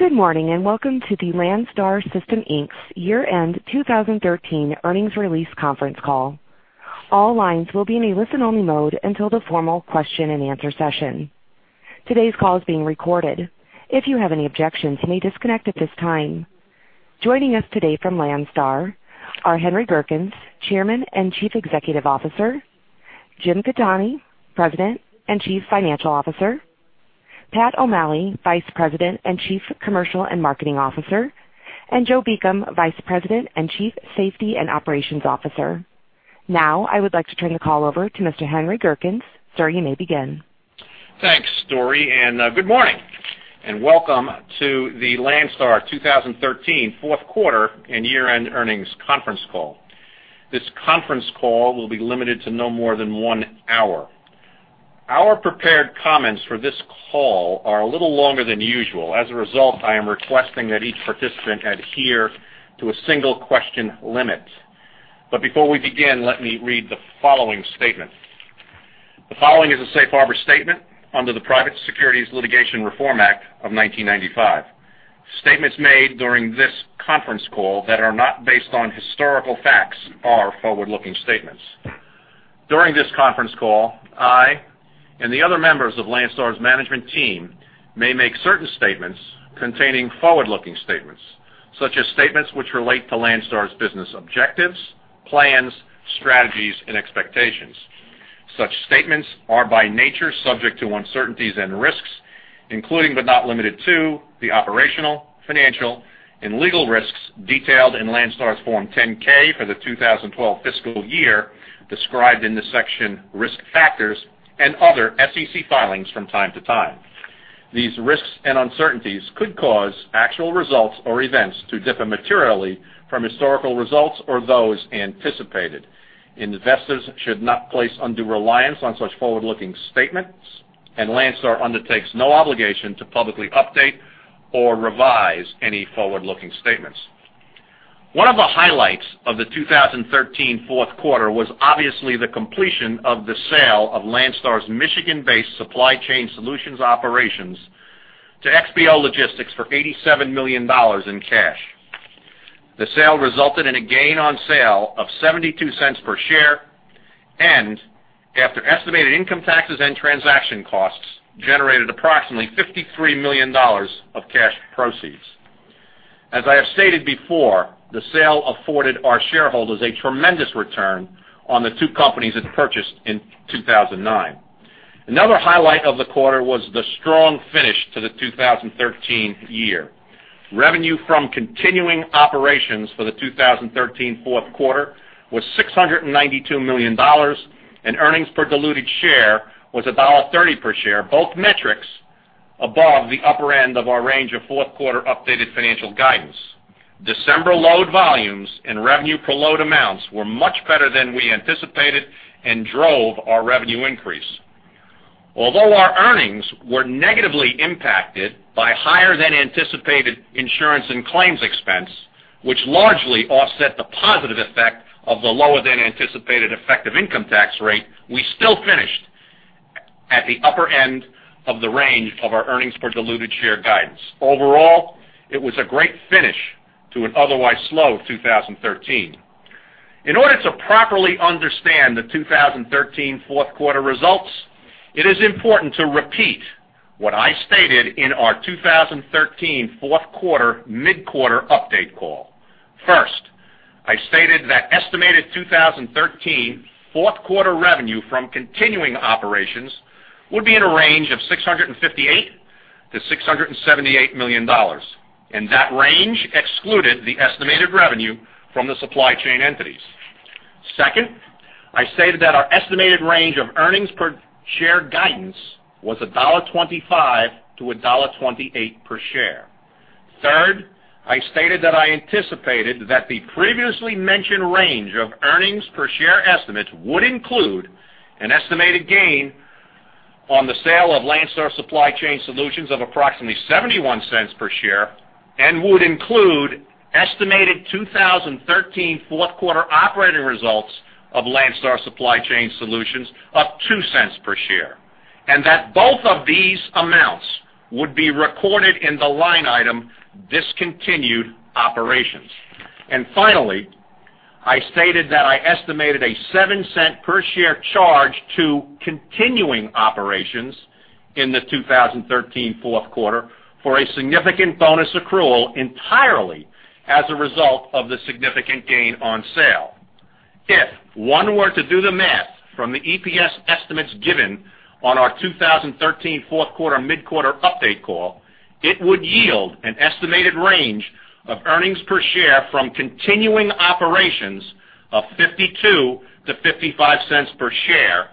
Good morning, and welcome to the Landstar System, Inc.'s year-end 2013 earnings release conference call. All lines will be in a listen-only mode until the formal question-and-answer session. Today's call is being recorded. If you have any objections, you may disconnect at this time. Joining us today from Landstar are Henry Gerkens, Chairman and Chief Executive Officer, Jim Gattoni, President and Chief Financial Officer, Pat O'Malley, Vice President and Chief Commercial and Marketing Officer, and Joe Beacom, Vice President and Chief Safety and Operations Officer. Now, I would like to turn the call over to Mr. Henry Gerkens. Sir, you may begin. Thanks, Dory, and good morning, and welcome to the Landstar 2013 fourth quarter and year-end earnings conference call. This conference call will be limited to no more than 1 hour. Our prepared comments for this call are a little longer than usual. As a result, I am requesting that each participant adhere to a single question limit. But before we begin, let me read the following statement. The following is a safe harbor statement under the Private Securities Litigation Reform Act of 1995. Statements made during this conference call that are not based on historical facts are forward-looking statements. During this conference call, I and the other members of Landstar's management team may make certain statements containing forward-looking statements, such as statements which relate to Landstar's business objectives, plans, strategies, and expectations. Such statements are, by nature, subject to uncertainties and risks, including but not limited to, the operational, financial, and legal risks detailed in Landstar's Form 10-K for the 2012 fiscal year, described in the section Risk Factors and other SEC filings from time to time. These risks and uncertainties could cause actual results or events to differ materially from historical results or those anticipated. Investors should not place undue reliance on such forward-looking statements, and Landstar undertakes no obligation to publicly update or revise any forward-looking statements. One of the highlights of the 2013 fourth quarter was obviously the completion of the sale of Landstar's Michigan-based supply chain solutions operations to XPO Logistics for $87 million in cash. The sale resulted in a gain on sale of $0.72 per share, and after estimated income taxes and transaction costs, generated approximately $53 million of cash proceeds. As I have stated before, the sale afforded our shareholders a tremendous return on the two companies it purchased in 2009. Another highlight of the quarter was the strong finish to the 2013 year. Revenue from continuing operations for the 2013 fourth quarter was $692 million, and earnings per diluted share was $1.30 per share, both metrics above the upper end of our range of fourth quarter updated financial guidance. December load volumes and revenue per load amounts were much better than we anticipated and drove our revenue increase. Although our earnings were negatively impacted by higher than anticipated insurance and claims expense, which largely offset the positive effect of the lower than anticipated effective income tax rate, we still finished at the upper end of the range of our earnings per diluted share guidance. Overall, it was a great finish to an otherwise slow 2013. In order to properly understand the 2013 fourth quarter results, it is important to repeat what I stated in our 2013 fourth quarter mid-quarter update call. First, I stated that estimated 2013 fourth quarter revenue from continuing operations would be in a range of $658 million-$678 million, and that range excluded the estimated revenue from the supply chain entities. Second, I stated that our estimated range of earnings per share guidance was $1.25-$1.28 per share. Third, I stated that I anticipated that the previously mentioned range of earnings per share estimates would include an estimated gain on the sale of Landstar Supply Chain Solutions of approximately $0.71 per share and would include estimated 2013 fourth quarter operating results of Landstar Supply Chain Solutions of $0.02 per share, and that both of these amounts would be recorded in the line item, Discontinued Operations. Finally, I stated that I estimated a $0.07 per share charge to continuing operations in the 2013 fourth quarter for a significant bonus accrual entirely as a result of the significant gain on sale. If one were to do the math from the EPS estimates given on our 2013 fourth quarter mid-quarter update call, it would yield an estimated range of earnings per share from continuing operations of $0.52-$0.55 per share,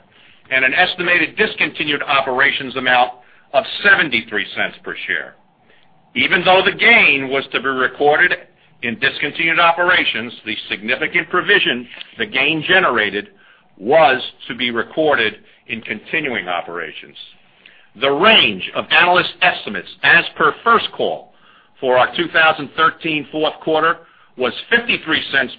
and an estimated discontinued operations amount of $0.73 per share. Even though the gain was to be recorded in discontinued operations, the significant provision the gain generated was to be recorded in continuing operations. The range of analyst estimates as per First Call for our 2013 fourth quarter was $0.53-$0.67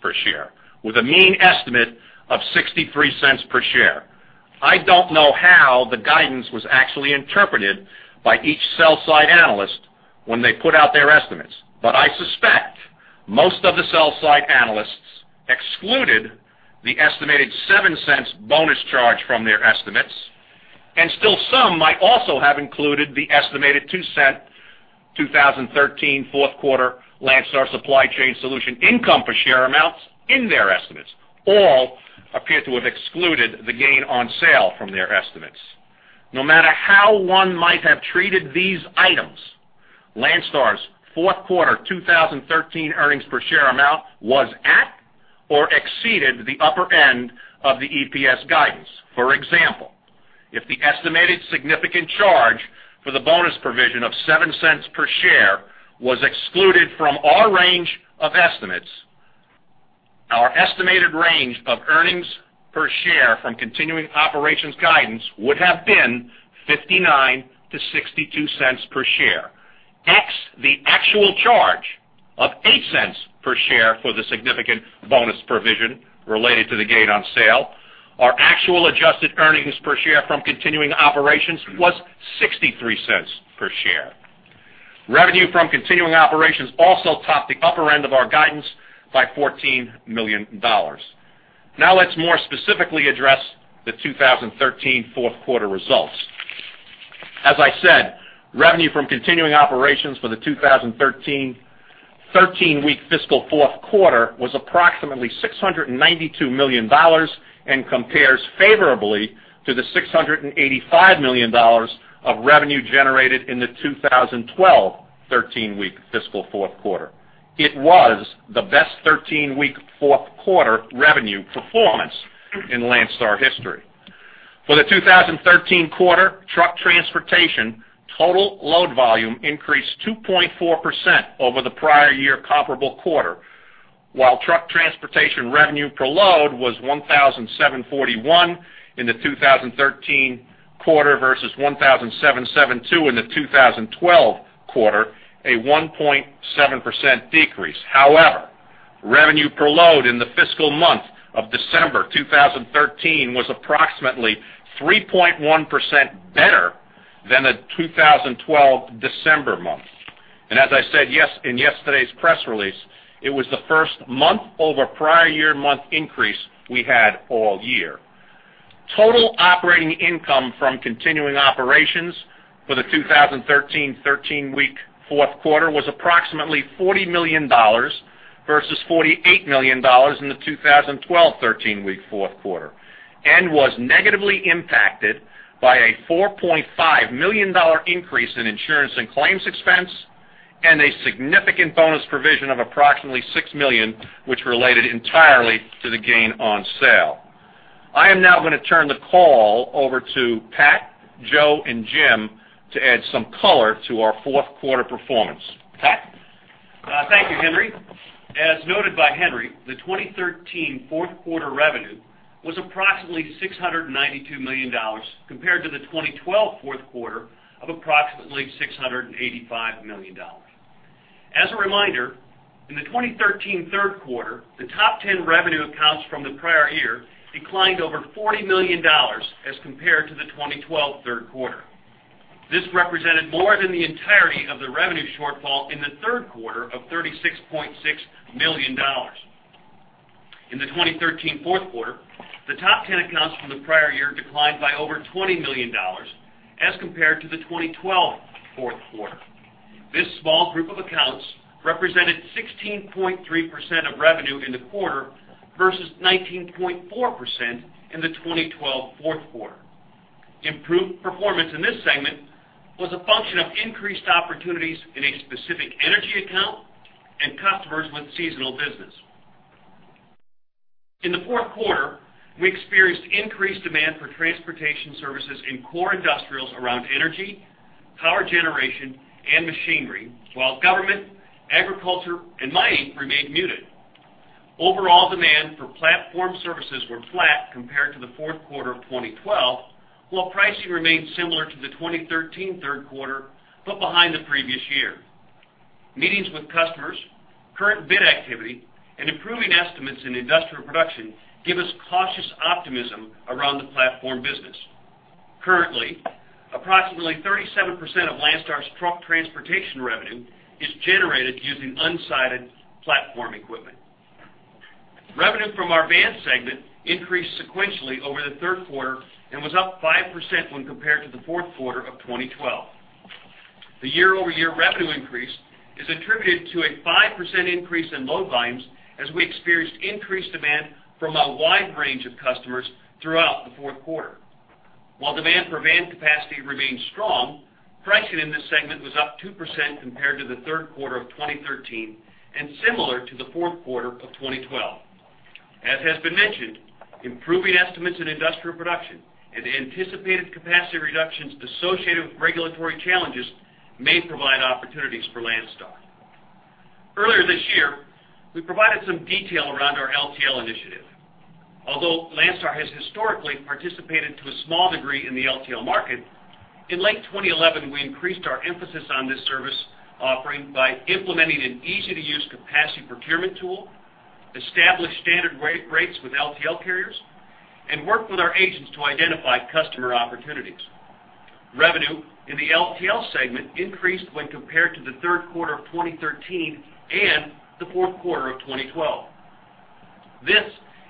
per share, with a mean estimate of $0.63 per share. I don't know how the guidance was actually interpreted by each sell-side analyst when they put out their estimates, but I suspect most of the sell-side analysts excluded the estimated $0.07 bonus charge from their estimates, and still some might also have included the estimated $0.02, 2013 fourth quarter Landstar Supply Chain Solutions income per share amounts in their estimates. All appear to have excluded the gain on sale from their estimates. No matter how one might have treated these items, Landstar's fourth quarter 2013 earnings per share amount was at or exceeded the upper end of the EPS guidance. For example, if the estimated significant charge for the bonus provision of $0.07 per share was excluded from our range of estimates, our estimated range of earnings per share from continuing operations guidance would have been $0.59-$0.62 per share. Excluding the actual charge of $0.08 per share for the significant bonus provision related to the gain on sale, our actual adjusted earnings per share from continuing operations was $0.63 per share. Revenue from continuing operations also topped the upper end of our guidance by $14 million. Now, let's more specifically address the 2013 fourth quarter results. As I said, revenue from continuing operations for the 2013 13-week fiscal fourth quarter was approximately $692 million, and compares favorably to the $685 million of revenue generated in the 2012 13-week fiscal fourth quarter. It was the best 13-week fourth quarter revenue performance in Landstar history. For the 2013 quarter, truck transportation total load volume increased 2.4% over the prior year comparable quarter, while truck transportation revenue per load was 1,741 in the 2013 quarter versus 1,772 in the 2012 quarter, a 1.7% decrease. However, revenue per load in the fiscal month of December 2013 was approximately 3.1% better than the 2012 December month. And as I said in yesterday's press release, it was the first month over prior year month increase we had all year. Total operating income from continuing operations for the 2013, thirteen-week fourth quarter was approximately $40 million versus $48 million in the 2012, thirteen-week fourth quarter, and was negatively impacted by a $4.5 million increase in insurance and claims expense, and a significant bonus provision of approximately $6 million, which related entirely to the gain on sale. I am now going to turn the call over to Pat, Joe, and Jim to add some color to our fourth quarter performance. Pat? Thank you, Henry. As noted by Henry, the 2013 fourth quarter revenue was approximately $692 million, compared to the 2012 fourth quarter of approximately $685 million. As a reminder, in the 2013 third quarter, the top 10 revenue accounts from the prior year declined over $40 million as compared to the 2012 third quarter. This represented more than the entirety of the revenue shortfall in the third quarter of $36.6 million. In the 2013 fourth quarter, the top 10 accounts from the prior year declined by over $20 million as compared to the 2012 fourth quarter. This small group of accounts represented 16.3% of revenue in the quarter, versus 19.4% in the 2012 fourth quarter. Improved performance in this segment was a function of increased opportunities in a specific energy account and customers with seasonal business. In the fourth quarter, we experienced increased demand for transportation services in core industrials around energy, power generation, and machinery, while government, agriculture, and mining remained muted. Overall demand for platform services were flat compared to the fourth quarter of 2012, while pricing remained similar to the 2013 third quarter, but behind the previous year. Meetings with customers, current bid activity, and improving estimates in industrial production give us cautious optimism around the platform business. Currently, approximately 37% of Landstar's truck transportation revenue is generated using unsided platform equipment. Revenue from our van segment increased sequentially over the third quarter and was up 5% when compared to the fourth quarter of 2012. The year-over-year revenue increase is attributed to a 5% increase in load volumes, as we experienced increased demand from a wide range of customers throughout the fourth quarter. While demand for van capacity remained strong, pricing in this segment was up 2% compared to the third quarter of 2013, and similar to the fourth quarter of 2012. As has been mentioned, improving estimates in industrial production and anticipated capacity reductions associated with regulatory challenges may provide opportunities for Landstar. Earlier this year, we provided some detail around our LTL initiative. Although Landstar has historically participated to a small degree in the LTL market, in late 2011, we increased our emphasis on this service offering by implementing an easy-to-use capacity procurement tool, established standard rate breaks with LTL carriers, and worked with our agents to identify customer opportunities. Revenue in the LTL segment increased when compared to the third quarter of 2013 and the fourth quarter of 2012. This,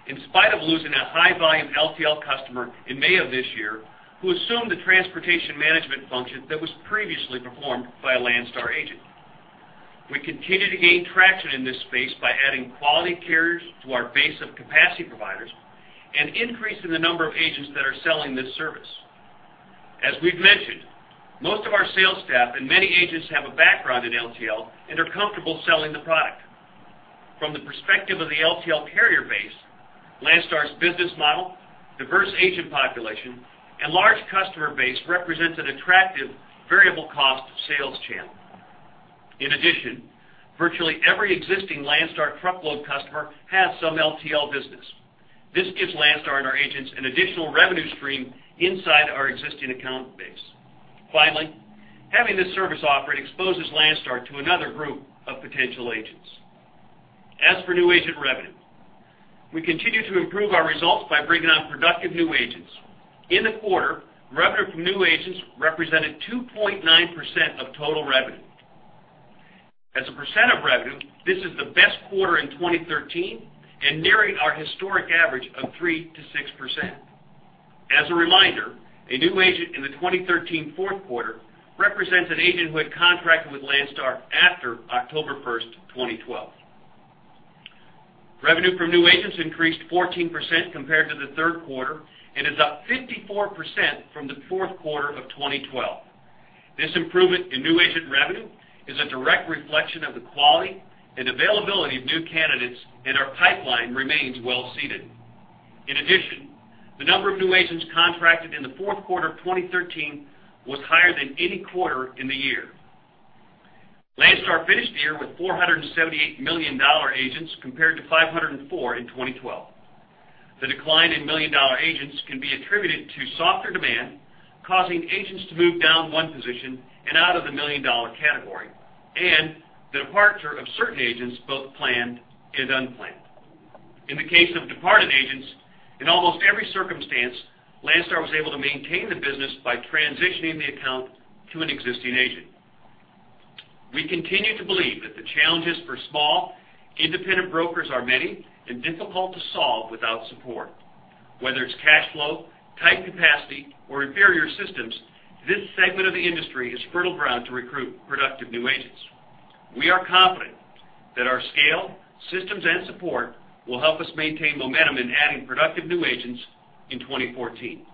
in spite of losing a high-volume LTL customer in May of this year, who assumed the transportation management function that was previously performed by a Landstar agent. We continue to gain traction in this space by adding quality carriers to our base of capacity providers and increasing the number of agents that are selling this service. As we've mentioned, most of our sales staff and many agents have a background in LTL and are comfortable selling the product. From the perspective of the LTL carrier base, Landstar's business model, diverse agent population, and large customer base represents an attractive variable cost sales channel. In addition, virtually every existing Landstar truckload customer has some LTL business. This gives Landstar and our agents an additional revenue stream inside our existing account base. Finally, having this service offering exposes Landstar to another group of potential agents. As for new agent revenue, we continue to improve our results by bringing on productive new agents. In the quarter, revenue from new agents represented 2.9% of total revenue. As a percent of revenue, this is the best quarter in 2013 and nearing our historic average of 3%-6%. As a reminder, a new agent in the 2013 fourth quarter represents an agent who had contracted with Landstar after October 1, 2012. Revenue from new agents increased 14% compared to the third quarter and is up 54% from the fourth quarter of 2012. This improvement in new agent revenue is a direct reflection of the quality and availability of new candidates, and our pipeline remains well seeded. In addition, the number of new agents contracted in the fourth quarter of 2013 was higher than any quarter in the year. Landstar finished the year with 478 million-dollar agents, compared to 504 in 2012. The decline in million-dollar agents can be attributed to softer demand, causing agents to move down one position and out of the million-dollar category, and the departure of certain agents, both planned and unplanned. In the case of departed agents, in almost every circumstance, Landstar was able to maintain the business by transitioning the account to an existing agent. We continue to believe that the challenges for small, independent brokers are many and difficult to solve without support. Whether it's cash flow, tight capacity, or inferior systems, this segment of the industry is fertile ground to recruit productive new agents. We are confident that our scale, systems, and support will help us maintain momentum in adding productive new agents in 2014.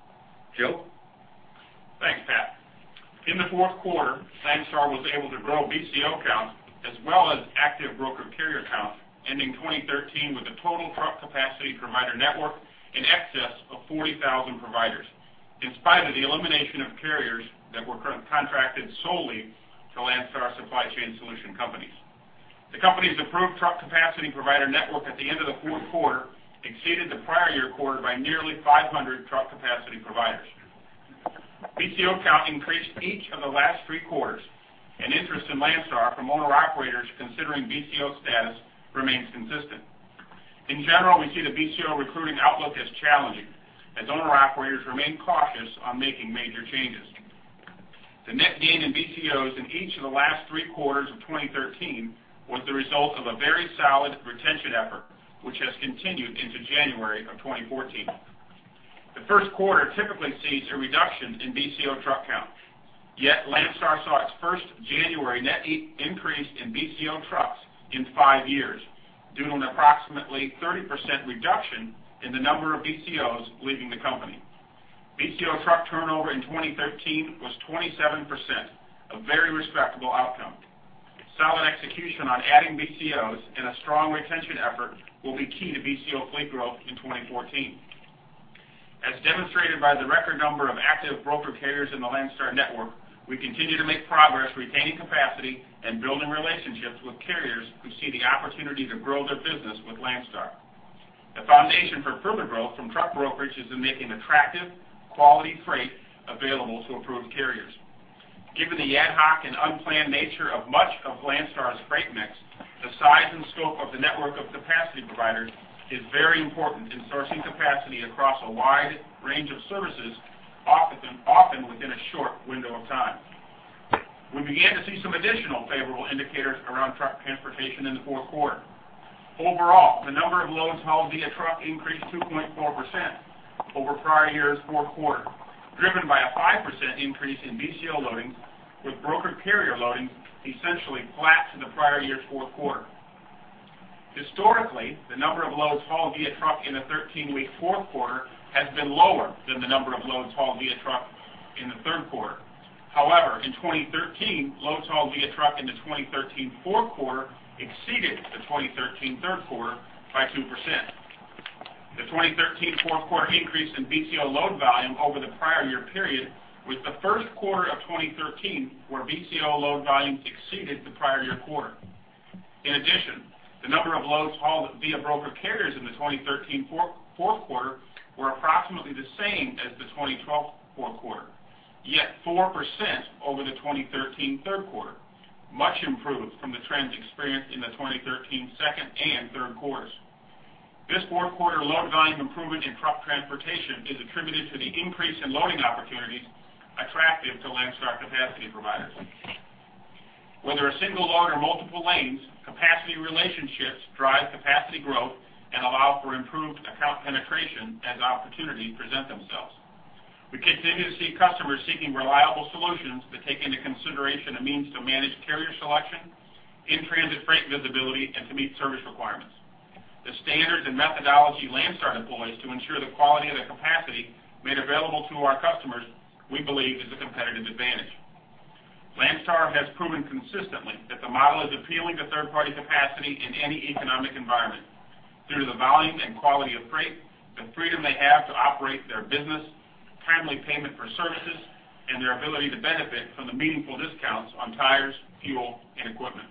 Joe? Thanks, Pat. In the fourth quarter, Landstar was able to grow BCO accounts as well as active broker carrier accounts, ending 2013 with a total truck capacity provider network in excess of 40,000 providers, in spite of the elimination of carriers that were contracted solely to Landstar supply chain solution companies. The company's approved truck capacity provider network at the end of the fourth quarter exceeded the prior-year quarter by nearly 500 truck capacity providers. BCO count increased each of the last three quarters, and interest in Landstar from owner-operators considering BCO status remains consistent. In general, we see the BCO recruiting outlook as challenging, as owner-operators remain cautious on making major changes. The net gain in BCOs in each of the last three quarters of 2013 was the result of a very solid retention effort, which has continued into January of 2014. The first quarter typically sees a reduction in BCO truck count. Yet Landstar saw its first January net increase in BCO trucks in five years, due to an approximately 30% reduction in the number of BCOs leaving the company. BCO truck turnover in 2013 was 27%, a very respectable outcome. Solid execution on adding BCOs and a strong retention effort will be key to BCO fleet growth in 2014. As demonstrated by the record number of active broker carriers in the Landstar network, we continue to make progress retaining capacity and building relationships with carriers who see the opportunity to grow their business with Landstar. The foundation for further growth from truck brokerage is to make an attractive, quality freight available to approved carriers. Given the ad hoc and unplanned nature of much of Landstar's freight mix, the size and scope of the network of capacity providers is very important in sourcing capacity across a wide range of services, often within a short window of time. We began to see some additional favorable indicators around truck transportation in the fourth quarter. Overall, the number of loads hauled via truck increased 2.4% over prior year's fourth quarter, driven by a 5% increase in BCO loadings, with broker carrier loadings essentially flat to the prior year's fourth quarter. Historically, the number of loads hauled via truck in the thirteen-week fourth quarter has been lower than the number of loads hauled via truck in the third quarter. However, in 2013, loads hauled via truck in the 2013 fourth quarter exceeded the 2013 third quarter by 2%. The 2013 fourth quarter increase in BCO load volume over the prior year period was the first quarter of 2013, where BCO load volume exceeded the prior year quarter. In addition, the number of loads hauled via broker carriers in the 2013 fourth quarter were approximately the same as the 2012 fourth quarter, yet 4% over the 2013 third quarter, much improved from the trends experienced in the 2013 second and third quarters. This fourth quarter load volume improvement in truck transportation is attributed to the increase in loading opportunities attractive to Landstar capacity providers. Whether a single load or multiple lanes, capacity relationships drive capacity growth and allow for improved account penetration as opportunities present themselves. We continue to see customers seeking reliable solutions that take into consideration a means to manage carrier selection, in-transit freight visibility, and to meet service requirements. The standards and methodology Landstar employs to ensure the quality of the capacity made available to our customers, we believe, is a competitive advantage. Landstar has proven consistently that the model is appealing to third-party capacity in any economic environment through the volume and quality of freight, the freedom they have to operate their business, timely payment for services, and their ability to benefit from the meaningful discounts on tires, fuel, and equipment.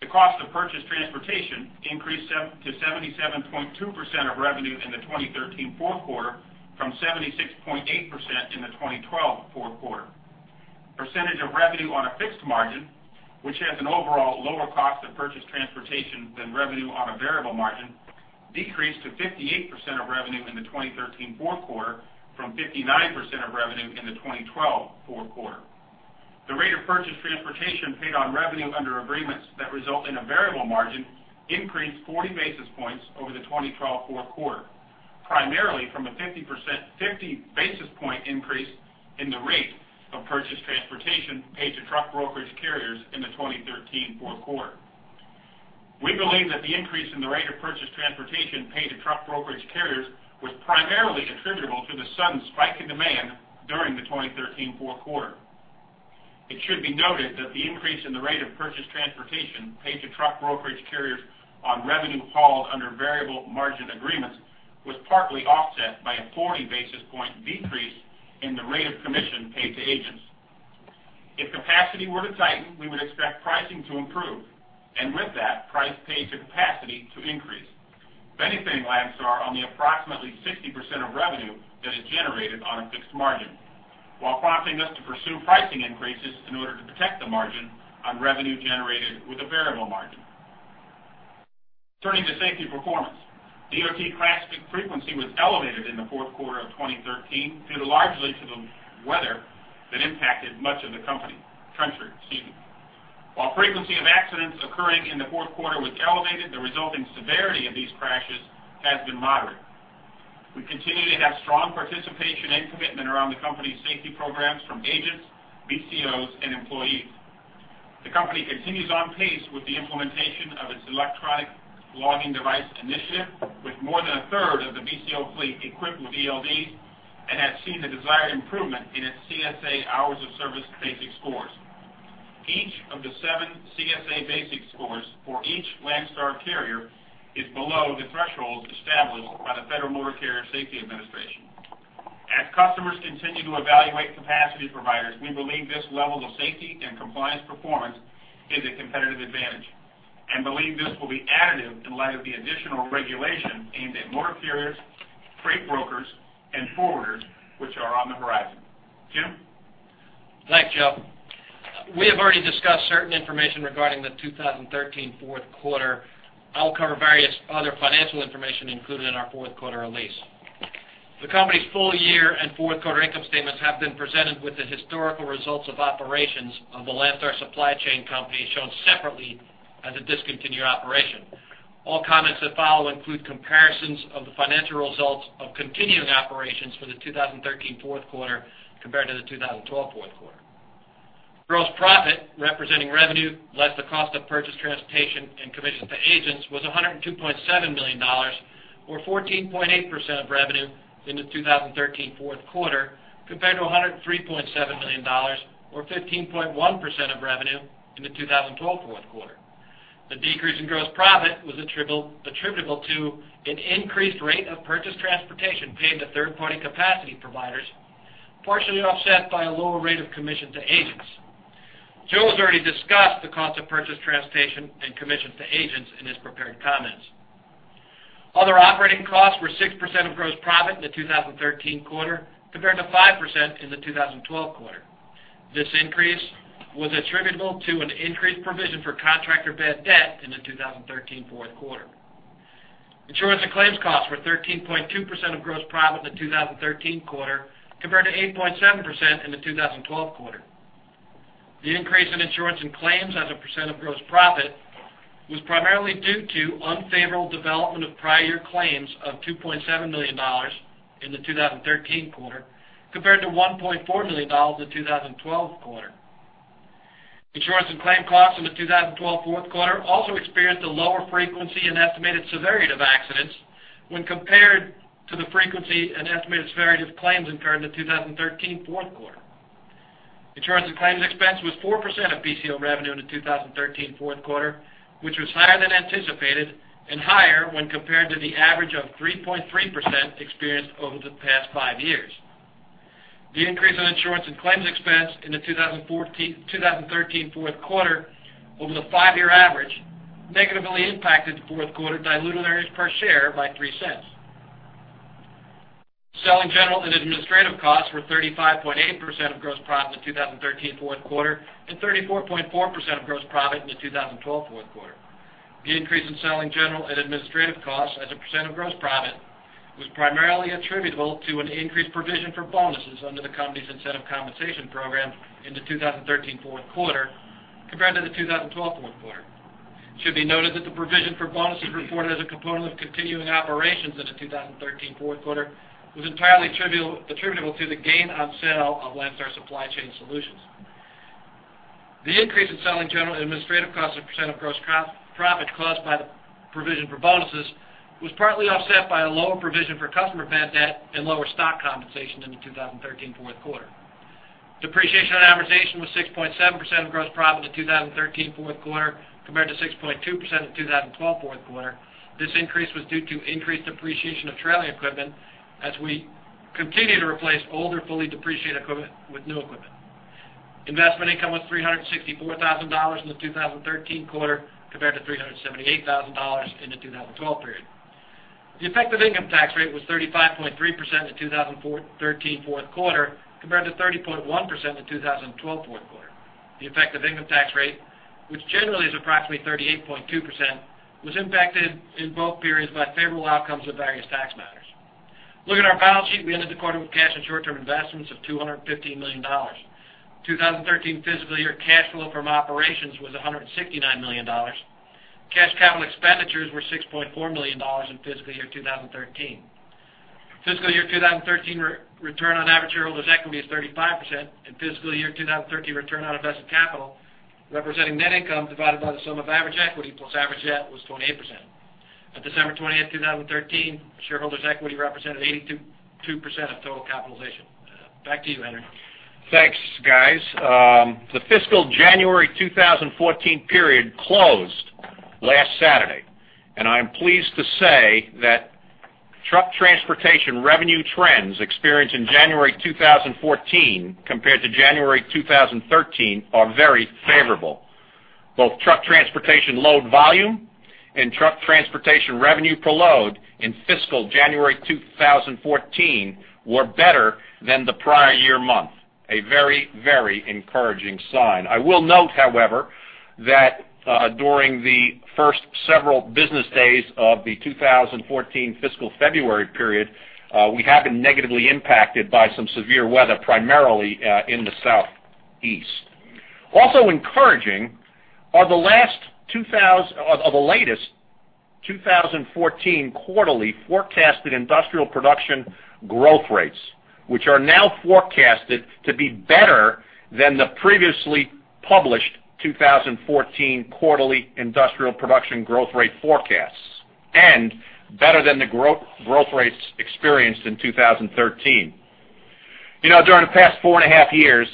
The cost of purchased transportation increased to 77.2% of revenue in the 2013 fourth quarter, from 76.8% in the 2012 fourth quarter. Percentage of revenue on a fixed margin, which has an overall lower cost of purchased transportation than revenue on a variable margin, decreased to 58% of revenue in the 2013 fourth quarter from 59% of revenue in the 2012 fourth quarter. The rate of purchased transportation paid on revenue under agreements that result in a variable margin increased 40 basis points over the 2012 fourth quarter, primarily from a 50 basis point increase in the rate of purchased transportation paid to truck brokerage carriers in the 2013 fourth quarter. We believe that the increase in the rate of purchased transportation paid to truck brokerage carriers was primarily attributable to the sudden spike in demand during the 2013 fourth quarter. It should be noted that the increase in the rate of purchased transportation paid to truck brokerage carriers on revenue hauled under variable margin agreements was partly offset by a 40 basis point decrease in the rate of commission paid to agents. If capacity were to tighten, we would expect pricing to improve, and with that, price paid to capacity to increase, benefiting Landstar on the approximately 60% of revenue that is generated on a fixed margin, while prompting us to pursue pricing increases in order to protect the margin on revenue generated with a variable margin. Turning to safety performance. DOT crash frequency was elevated in the fourth quarter of 2013, due largely to the weather that impacted much of the company - country, excuse me. While frequency of accidents occurring in the fourth quarter was elevated, the resulting severity of these crashes has been moderate. We continue to have strong participation and commitment around the company's safety programs from agents, BCOs, and employees. The company continues on pace with the implementation of its electronic logging device initiative, with more than a third of the BCO fleet equipped with ELDs, and has seen the desired improvement in its CSA hours of service BASIC scores. Each of the seven CSA BASIC scores for each Landstar carrier is below the thresholds established by the Federal Motor Carrier Safety Administration. As customers continue to evaluate capacity providers, we believe this level of safety and compliance performance is a competitive advantage, and believe this will be additive in light of the additional regulation aimed at motor carriers, freight brokers, and forwarders, which are on the horizon. Jim? Thanks, Joe. We have already discussed certain information regarding the 2013 fourth quarter. I'll cover various other financial information included in our fourth quarter release. The company's full year and fourth quarter income statements have been presented with the historical results of operations of the Landstar Supply Chain Solutions, shown separately as a discontinued operation. All comments that follow include comparisons of the financial results of continuing operations for the 2013 fourth quarter compared to the 2012 fourth quarter. Gross profit, representing revenue, less the cost of purchased transportation and commissions to agents, was $102.7 million, or 14.8% of revenue in the 2013 fourth quarter, compared to $103.7 million, or 15.1% of revenue in the 2012 fourth quarter. The decrease in gross profit was attributable to an increased rate of purchased transportation paid to third-party capacity providers, partially offset by a lower rate of commission to agents. Joe has already discussed the cost of purchased transportation and commissions to agents in his prepared comments. Other operating costs were 6% of gross profit in the 2013 quarter, compared to 5% in the 2012 quarter. This increase was attributable to an increased provision for contractor bad debt in the 2013 fourth quarter. Insurance and claims costs were 13.2% of gross profit in the 2013 quarter, compared to 8.7% in the 2012 quarter. The increase in insurance and claims as a percent of gross profit was primarily due to unfavorable development of prior year claims of $2.7 million in the 2013 quarter, compared to $1.4 million in the 2012 quarter. Insurance and claim costs in the 2012 fourth quarter also experienced a lower frequency and estimated severity of accidents when compared to the frequency and estimated severity of claims incurred in the 2013 fourth quarter.... Insurance and claims expense was 4% of BCO revenue in the 2013 fourth quarter, which was higher than anticipated and higher when compared to the average of 3.3% experienced over the past five years. The increase in insurance and claims expense in the 2013 fourth quarter over the 5-year average negatively impacted the fourth quarter diluted earnings per share by $0.03. Selling, general, and administrative costs were 35.8% of gross profit in the 2013 fourth quarter, and 34.4% of gross profit in the 2012 fourth quarter. The increase in selling, general, and administrative costs as a percent of gross profit was primarily attributable to an increased provision for bonuses under the company's incentive compensation program in the 2013 fourth quarter compared to the 2012 fourth quarter. It should be noted that the provision for bonuses reported as a component of continuing operations in the 2013 fourth quarter was entirely attributable to the gain on sale of Landstar Supply Chain Solutions. The increase in selling, general, and administrative costs as a percent of gross profit caused by the provision for bonuses was partly offset by a lower provision for customer bad debt and lower stock compensation in the 2013 fourth quarter. Depreciation and amortization was 6.7% of gross profit in the 2013 fourth quarter, compared to 6.2% in the 2012 fourth quarter. This increase was due to increased depreciation of trailer equipment as we continue to replace older, fully depreciated equipment with new equipment. Investment income was $364,000 in the 2013 quarter, compared to $378,000 in the 2012 period. The effective income tax rate was 35.3% in 2013 fourth quarter, compared to 30.1% in the 2012 fourth quarter. The effective income tax rate, which generally is approximately 38.2%, was impacted in both periods by favorable outcomes of various tax matters. Looking at our balance sheet, we ended the quarter with cash and short-term investments of $215 million. 2013 fiscal year cash flow from operations was $169 million. Cash capital expenditures were $6.4 million in fiscal year 2013. Fiscal year 2013 return on average shareholder's equity is 35%, and fiscal year 2013 return on invested capital, representing net income divided by the sum of average equity plus average debt, was 28%. At December 20, 2013, shareholders' equity represented 82% of total capitalization. Back to you, Henry. Thanks, guys. The fiscal January 2014 period closed last Saturday, and I am pleased to say that truck transportation revenue trends experienced in January 2014 compared to January 2013 are very favorable. Both truck transportation load volume and truck transportation revenue per load in fiscal January 2014 were better than the prior year month. A very, very encouraging sign. I will note, however, that, during the first several business days of the 2014 fiscal February period, we have been negatively impacted by some severe weather, primarily, in the Southeast. Also encouraging are the last two thous-- or the latest 2014 quarterly forecasted industrial production growth rates, which are now forecasted to be better than the previously published 2014 quarterly industrial production growth rate forecasts, and better than the growth rates experienced in 2013. You know, during the past 4.5 years,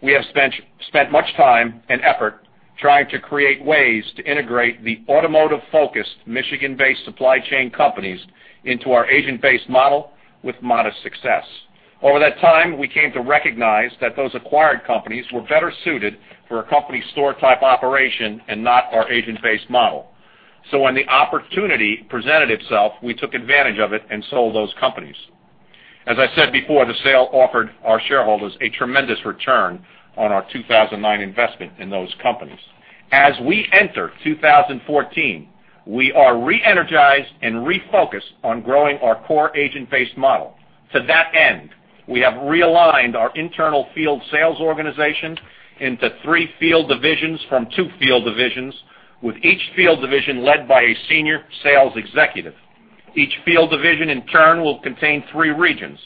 we have spent much time and effort trying to create ways to integrate the automotive-focused Michigan-based supply chain companies into our agent-based model with modest success. Over that time, we came to recognize that those acquired companies were better suited for a company store-type operation and not our agent-based model. So when the opportunity presented itself, we took advantage of it and sold those companies. As I said before, the sale offered our shareholders a tremendous return on our 2009 investment in those companies. As we enter 2014, we are reenergized and refocused on growing our core agent-based model. To that end, we have realigned our internal field sales organization into three field divisions from two field divisions, with each field division led by a senior sales executive. Each field division, in turn, will contain three regions,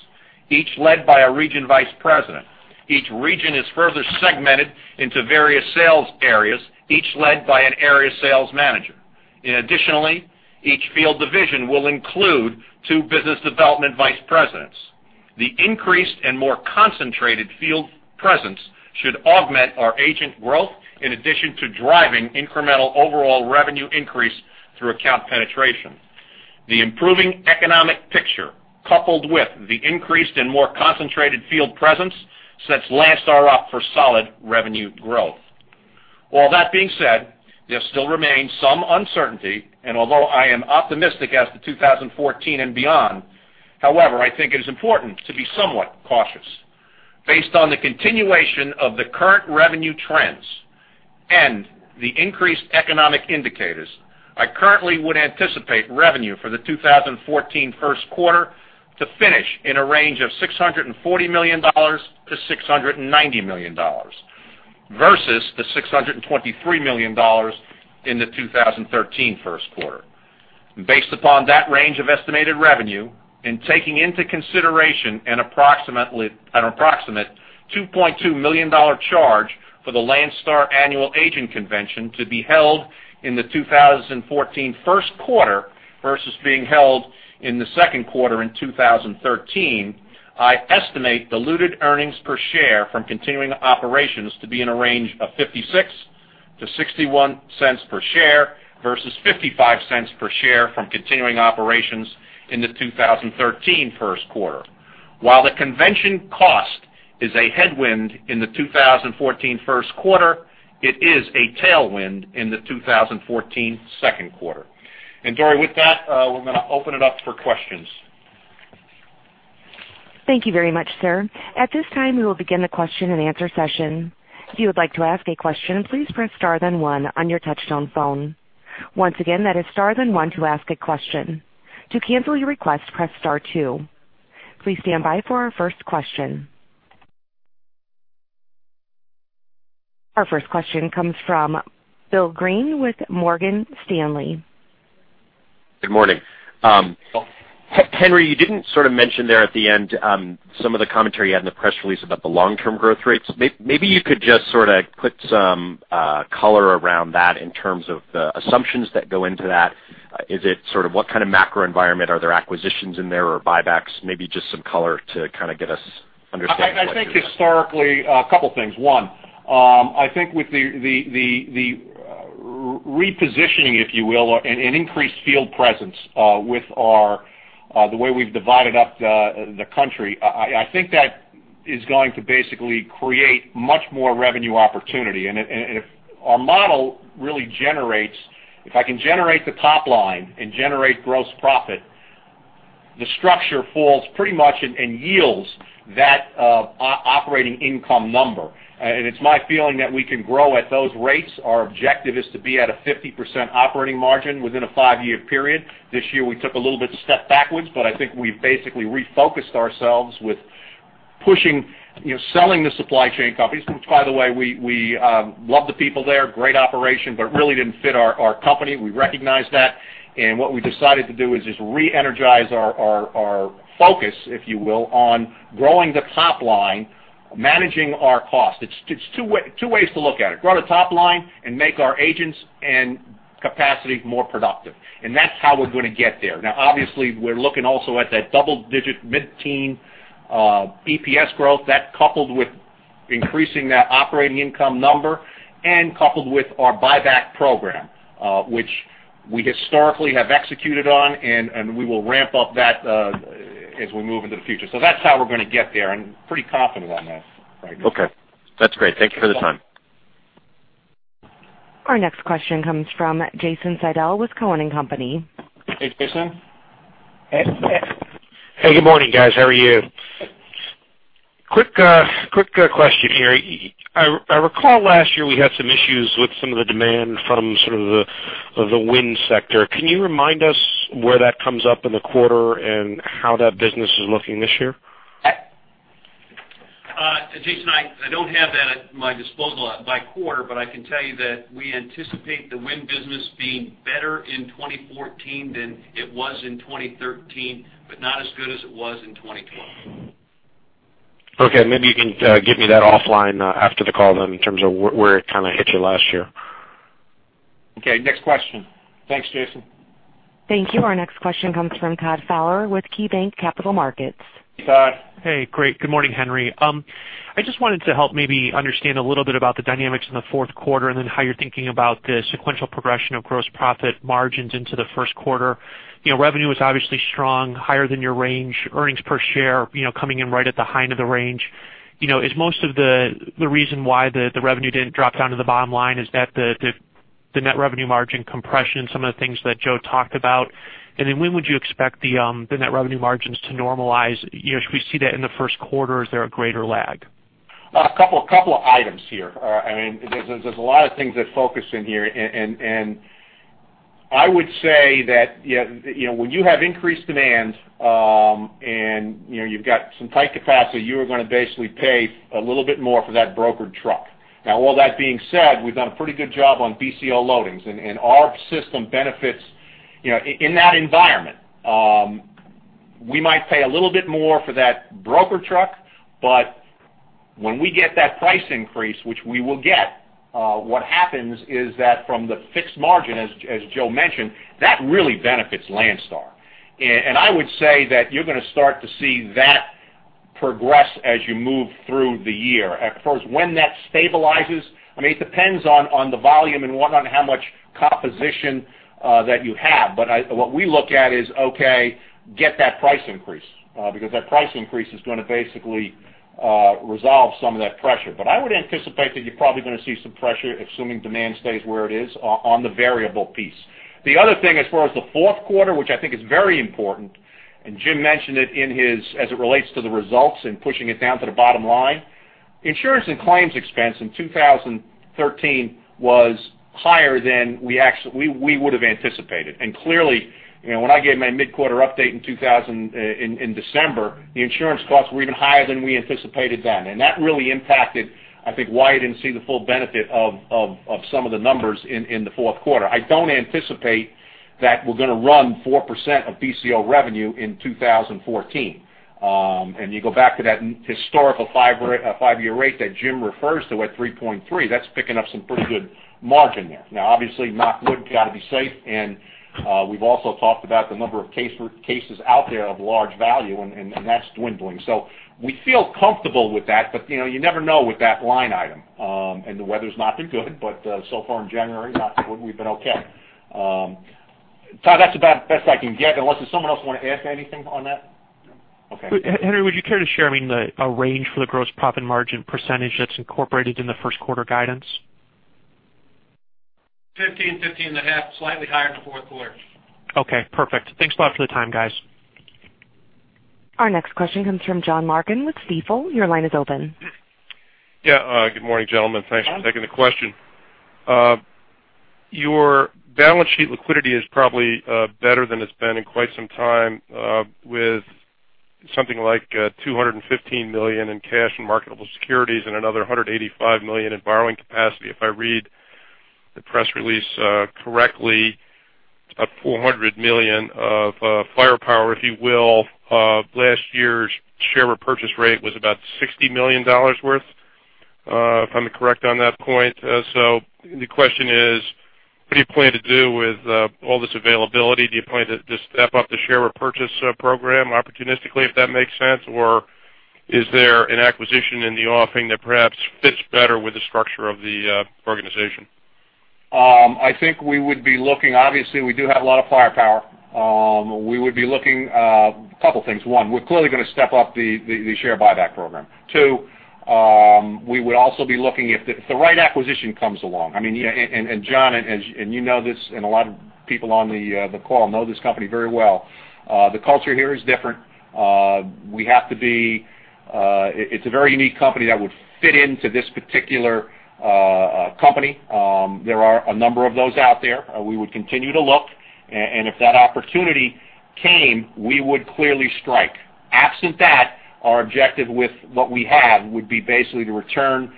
each led by a region vice president. Each region is further segmented into various sales areas, each led by an area sales manager. And additionally, each field division will include two business development vice presidents. The increased and more concentrated field presence should augment our agent growth, in addition to driving incremental overall revenue increase through account penetration. The improving economic picture, coupled with the increased and more concentrated field presence, sets Landstar up for solid revenue growth. All that being said, there still remains some uncertainty, and although I am optimistic as to 2014 and beyond, however, I think it is important to be somewhat cautious. Based on the continuation of the current revenue trends and the increased economic indicators, I currently would anticipate revenue for the 2014 first quarter to finish in a range of $640 million-$690 million, versus the $623 million in the 2013 first quarter. Based upon that range of estimated revenue, and taking into consideration an approximate $2.2 million charge for the Landstar Annual Agent Convention to be held in the 2014 first quarter-... versus being held in the second quarter in 2013, I estimate diluted earnings per share from continuing operations to be in a range of $0.56-$0.61 per share, versus $0.55 per share from continuing operations in the 2013 first quarter. While the convention cost is a headwind in the 2014 first quarter, it is a tailwind in the 2014 second quarter. And Dory, with that, we're going to open it up for questions. Thank you very much, sir. At this time, we will begin the question-and-answer session. If you would like to ask a question, please press star then one on your touchtone phone. Once again, that is star then one to ask a question. To cancel your request, press star two. Please stand by for our first question. Our first question comes from Bill Greene with Morgan Stanley. Good morning. Henry, you didn't sort of mention there at the end, some of the commentary you had in the press release about the long-term growth rates. Maybe you could just sort of put some color around that in terms of the assumptions that go into that. Is it sort of what kind of macro environment? Are there acquisitions in there or buybacks? Maybe just some color to kind of get us understanding what you're doing. I think historically, a couple of things. One, I think with the repositioning, if you will, and increased field presence, with our the way we've divided up the country, I think that is going to basically create much more revenue opportunity. And if our model really generates—if I can generate the top line and generate gross profit, the structure falls pretty much and yields that operating income number. And it's my feeling that we can grow at those rates. Our objective is to be at a 50% operating margin within a five-year period. This year, we took a little bit step backwards, but I think we've basically refocused ourselves with pushing, you know, selling the supply chain companies. Which, by the way, we love the people there, great operation, but really didn't fit our company. We recognize that, and what we decided to do is just reenergize our focus, if you will, on growing the top line, managing our cost. It's two ways to look at it, grow the top line and make our agents and capacity more productive, and that's how we're going to get there. Now, obviously, we're looking also at that double-digit mid-teen EPS growth. That, coupled with increasing that operating income number and coupled with our buyback program, which we historically have executed on, and we will ramp up that as we move into the future. So that's how we're going to get there, and pretty confident on that right now. Okay, that's great. Thank you for the time. Our next question comes from Jason Seidel with Cowen and Company. Hey, Jason. Hey, good morning, guys. How are you? Quick question here. I recall last year we had some issues with some of the demand from sort of the wind sector. Can you remind us where that comes up in the quarter and how that business is looking this year? Jason, I don't have that at my disposal by quarter, but I can tell you that we anticipate the wind business being better in 2014 than it was in 2013, but not as good as it was in 2012. Okay, maybe you can give me that offline after the call then, in terms of where it kind of hit you last year. Okay, next question. Thanks, Jason. Thank you. Our next question comes from Todd Fowler with KeyBanc Capital Markets. Hi, Todd. Hey, great. Good morning, Henry. I just wanted to help maybe understand a little bit about the dynamics in the fourth quarter, and then how you're thinking about the sequential progression of gross profit margins into the first quarter. You know, revenue is obviously strong, higher than your range. Earnings per share, you know, coming in right at the high end of the range. You know, is most of the reason why the revenue didn't drop down to the bottom line, is that the net revenue margin compression, some of the things that Joe talked about? And then, when would you expect the net revenue margins to normalize? You know, should we see that in the first quarter, or is there a greater lag? A couple, couple of items here. I mean, there's a lot of things at focus in here, and I would say that, you know, when you have increased demand, and, you know, you've got some tight capacity, you are going to basically pay a little bit more for that brokered truck. Now, all that being said, we've done a pretty good job on BCO loadings, and our system benefits, you know, in that environment. We might pay a little bit more for that broker truck, but when we get that price increase, which we will get, what happens is that from the fixed margin, as Joe mentioned, that really benefits Landstar. And I would say that you're going to start to see that progress as you move through the year. As far as when that stabilizes, I mean, it depends on, on the volume and what on how much composition that you have. But what we look at is, okay, get that price increase because that price increase is going to basically resolve some of that pressure. But I would anticipate that you're probably going to see some pressure, assuming demand stays where it is, on, on the variable piece. The other thing, as far as the fourth quarter, which I think is very important, and Jim mentioned it in his as it relates to the results and pushing it down to the bottom line. Insurance and claims expense in 2013 was higher than we actually we would have anticipated. Clearly, you know, when I gave my mid-quarter update in 2013 in December, the insurance costs were even higher than we anticipated then, and that really impacted, I think, why you didn't see the full benefit of some of the numbers in the fourth quarter. I don't anticipate that we're going to run 4% of BCO revenue in 2014. You go back to that historical five-year rate that Jim refers to at 3.3, that's picking up some pretty good margin there. Now, obviously, knock wood, got to be safe, and we've also talked about the number of cases out there of large value, and that's dwindling. So we feel comfortable with that, but, you know, you never know with that line item. And the weather's not been good, but so far in January, knock wood, we've been okay. So that's about the best I can get, unless does someone else want to ask anything on that? Okay. Henry, would you care to share, I mean, a range for the gross profit margin percentage that's incorporated in the first quarter guidance? 15, 15.5, slightly higher than the fourth quarter. Okay, perfect. Thanks a lot for the time, guys. Our next question comes from John Larkin with Stifel. Your line is open. Yeah, good morning, gentlemen. Thanks for taking the question. Your balance sheet liquidity is probably better than it's been in quite some time, with something like $215 million in cash and marketable securities and another $185 million in borrowing capacity. If I read the press release correctly, about $400 million of firepower, if you will. Last year's share repurchase rate was about $60 million worth, if I'm correct on that point. So the question is: What do you plan to do with all this availability? Do you plan to just step up the share repurchase program opportunistically, if that makes sense? Or is there an acquisition in the offing that perhaps fits better with the structure of the organization? I think we would be looking, obviously, we do have a lot of firepower. We would be looking couple things. One, we're clearly going to step up the share buyback program. Two, we would also be looking if the right acquisition comes along. I mean, John, and you know this, and a lot of people on the call know this company very well. The culture here is different. We have to be, it's a very unique company that would fit into this particular company. There are a number of those out there. We would continue to look, and if that opportunity came, we would clearly strike. Absent that, our objective with what we have would be basically to return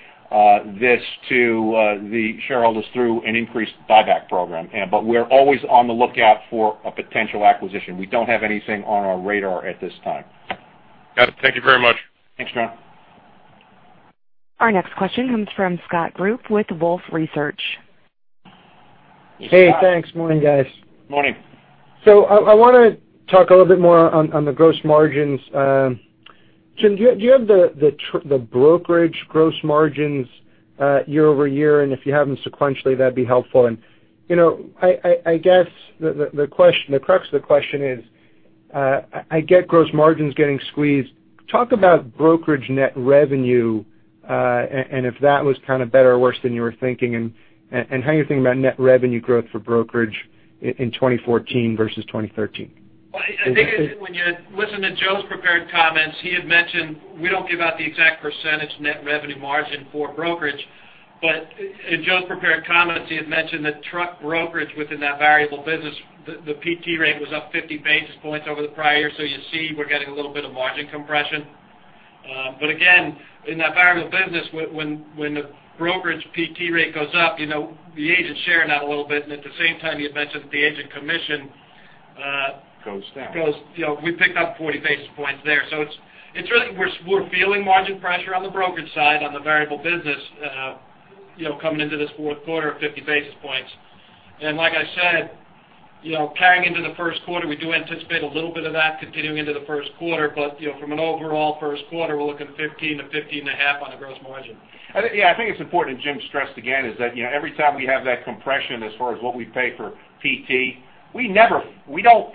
this to the shareholders through an increased buyback program. We're always on the lookout for a potential acquisition. We don't have anything on our radar at this time. Got it. Thank you very much. Thanks, John. Our next question comes from Scott Group with Wolfe Research. Hey, thanks. Morning, guys. Morning. So I want to talk a little bit more on the gross margins. Jim, do you have the brokerage gross margins year over year? And if you have them sequentially, that'd be helpful. And you know, I guess the question, the crux of the question is, I get gross margins getting squeezed. Talk about brokerage net revenue and if that was kind of better or worse than you were thinking, and how you think about net revenue growth for brokerage in 2014 versus 2013. Well, I think when you listen to Joe's prepared comments, he had mentioned we don't give out the exact percentage net revenue margin for brokerage. But in Joe's prepared comments, he had mentioned that truck brokerage within that variable business, the PT rate was up 50 basis points over the prior year. So you see, we're getting a little bit of margin compression. But again, in that variable business, when the brokerage PT rate goes up, you know, the agent share not a little bit, and at the same time, he had mentioned that the agent commission, Goes down. -goes, you know, we picked up 40 basis points there. So it's, it's really, we're, we're feeling margin pressure on the brokerage side, on the variable business, you know, coming into this fourth quarter of 50 basis points. And like I said, you know, carrying into the first quarter, we do anticipate a little bit of that continuing into the first quarter. But, you know, from an overall first quarter, we're looking at 15%-15.5% on a gross margin. I think, yeah, I think it's important, and Jim stressed again, is that, you know, every time we have that compression as far as what we pay for PT, we never, we don't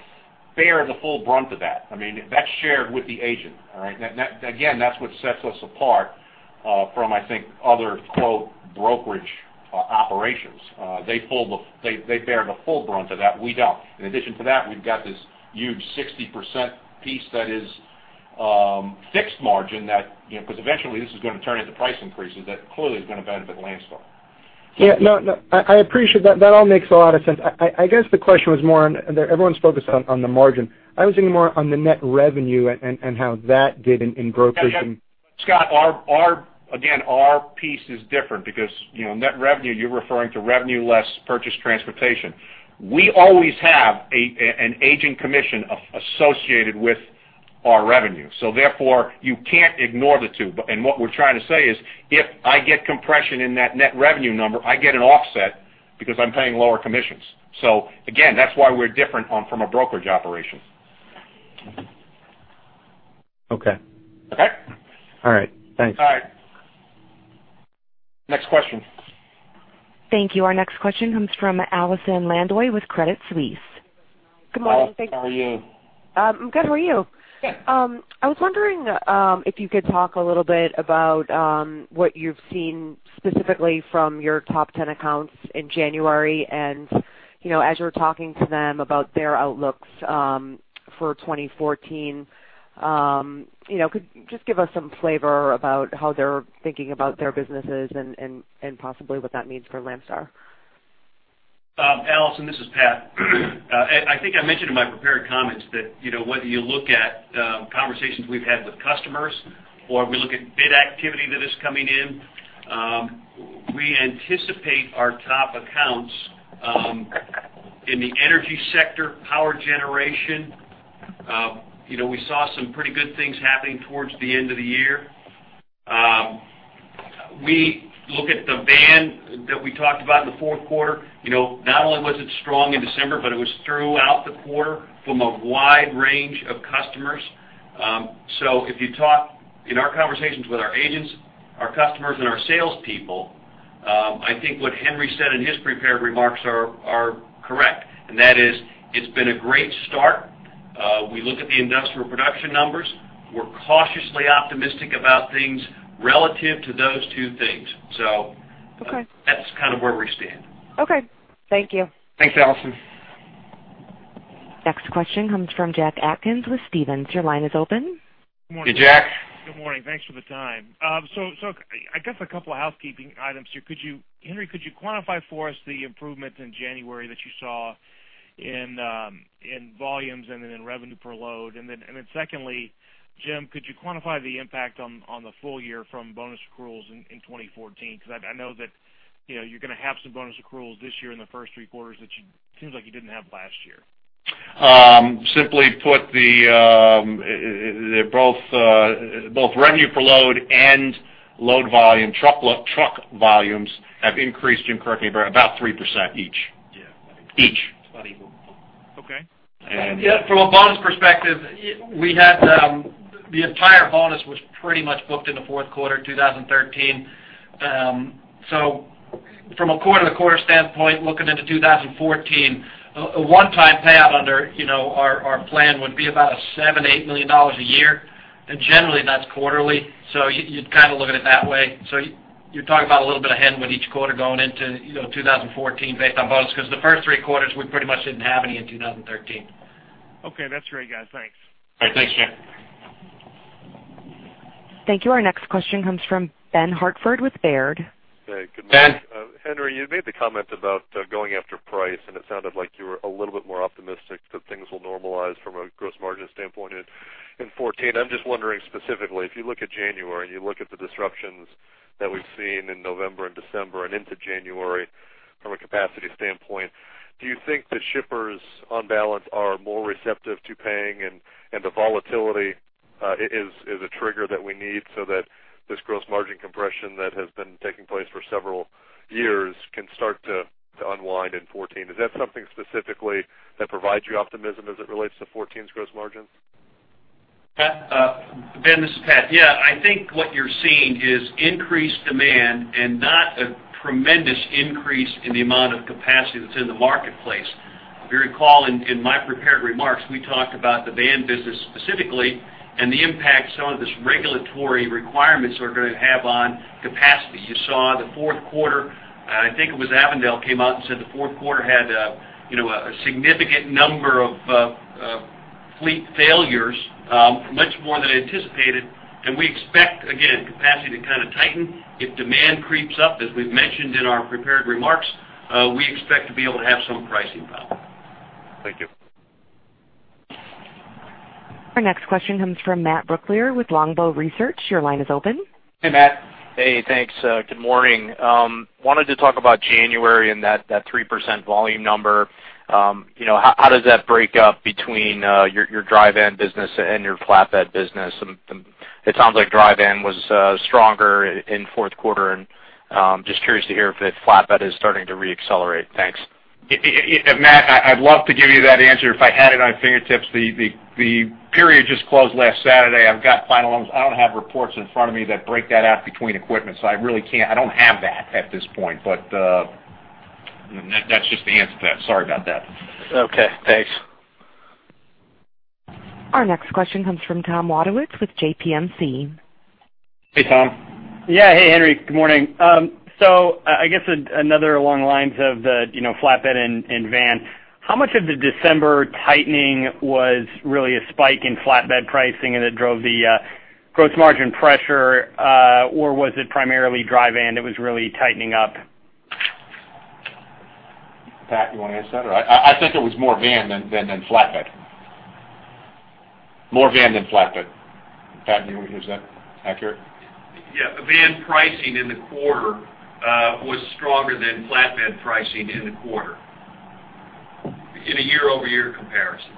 bear the full brunt of that. I mean, that's shared with the agent. All right? That, that, again, that's what sets us apart from, I think, other, quote, "brokerage operations." They pull the, they, they bear the full brunt of that. We don't. In addition to that, we've got this huge 60% piece that is fixed margin that, you know, because eventually this is going to turn into price increases that clearly is going to benefit Landstar. Yeah. No, no, I appreciate that. That all makes a lot of sense. I guess the question was more on, everyone's focused on the margin. I was thinking more on the net revenue and how that did in brokerage. Yeah, Scott, our -- again, our piece is different because, you know, net revenue, you're referring to revenue less purchase transportation. We always have an agent commission associated with our revenue, so therefore, you can't ignore the two. But, and what we're trying to say is, if I get compression in that net revenue number, I get an offset because I'm paying lower commissions. So again, that's why we're different on from a brokerage operation. Okay. Okay? All right. Thanks. All right. Next question. Thank you. Our next question comes from Allison Landry with Credit Suisse. Good morning. How are you? Good. How are you? Good. I was wondering if you could talk a little bit about what you've seen specifically from your top 10 accounts in January, and, you know, as you're talking to them about their outlooks for 2014, you know, could you just give us some flavor about how they're thinking about their businesses and possibly what that means for Landstar? Allison, this is Pat. I think I mentioned in my prepared comments that, you know, whether you look at conversations we've had with customers or we look at bid activity that is coming in, we anticipate our top accounts in the energy sector, power generation- ...You know, we saw some pretty good things happening towards the end of the year. We look at the van that we talked about in the fourth quarter, you know, not only was it strong in December, but it was throughout the quarter from a wide range of customers. So if you talk in our conversations with our agents, our customers, and our salespeople, I think what Henry said in his prepared remarks are correct, and that is, it's been a great start. We look at the industrial production numbers. We're cautiously optimistic about things relative to those two things. So- Okay. That's kind of where we stand. Okay. Thank you. Thanks, Allison. Next question comes from Jack Atkins with Stephens. Your line is open. Hey, Jack. Good morning. Thanks for the time. So, I guess a couple of housekeeping items here. Henry, could you quantify for us the improvement in January that you saw in volumes and in revenue per load? And then, secondly, Jim, could you quantify the impact on the full year from bonus accruals in 2014? Because I know that, you know, you're going to have some bonus accruals this year in the first three quarters that you -- seems like you didn't have last year. Simply put, both revenue per load and load volume, truck volumes have increased incorrectly by about 3% each. Yeah. Each. It's about equal. Okay. And- Yeah, from a bonus perspective, we had the entire bonus was pretty much booked in the fourth quarter, 2013. So from a quarter-to-quarter standpoint, looking into 2014, a one-time payout under, you know, our plan would be about $7-$8 million a year, and generally that's quarterly. So you'd kind of look at it that way. So you're talking about a little bit of headwind each quarter going into, you know, 2014 based on bonus, because the first three quarters, we pretty much didn't have any in 2013. Okay, that's great, guys. Thanks. All right. Thanks, Jack. Thank you. Our next question comes from Ben Hartford with Baird. Hey, good morning. Ben. Henry, you made the comment about going after price, and it sounded like you were a little bit more optimistic that things will normalize from a gross margin standpoint in 2014. I'm just wondering, specifically, if you look at January and you look at the disruptions that we've seen in November and December and into January from a capacity standpoint, do you think the shippers on balance are more receptive to paying and the volatility is a trigger that we need so that this gross margin compression that has been taking place for several years can start to unwind in 2014? Is that something specifically that provides you optimism as it relates to 2014's gross margin? Pat, Ben, this is Pat. Yeah, I think what you're seeing is increased demand and not a tremendous increase in the amount of capacity that's in the marketplace. If you recall, in my prepared remarks, we talked about the van business specifically and the impact some of these regulatory requirements are going to have on capacity. You saw in the fourth quarter, I think it was Avondale, came out and said the fourth quarter had, you know, a significant number of fleet failures, much more than anticipated, and we expect, again, capacity to kind of tighten. If demand creeps up, as we've mentioned in our prepared remarks, we expect to be able to have some pricing power. Thank you. Our next question comes from Matt Brooklier with Longbow Research. Your line is open. Hey, Matt. Hey, thanks. Good morning. Wanted to talk about January and that 3% volume number. You know, how does that break up between your dry van business and your flatbed business? It sounds like dry van was stronger in fourth quarter. And just curious to hear if the flatbed is starting to reaccelerate. Thanks. Matt, I, I'd love to give you that answer if I had it on my fingertips. The period just closed last Saturday. I've got final numbers. I don't have reports in front of me that break that out between equipment, so I really can't... I don't have that at this point, but, that's just the answer to that. Sorry about that. Okay, thanks. Our next question comes from Tom Wadewitz with J.P. Morgan. Hey, Tom. Yeah. Hey, Henry, good morning. So I guess another along the lines of the, you know, flatbed and van. How much of the December tightening was really a spike in flatbed pricing, and it drove the gross margin pressure, or was it primarily dry van that was really tightening up? Pat, you want to answer that, or I, I think it was more van than, than flatbed. More van than flatbed. Pat, do you, is that accurate? Yeah. The van pricing in the quarter was stronger than flatbed pricing in the quarter in a year-over-year comparison.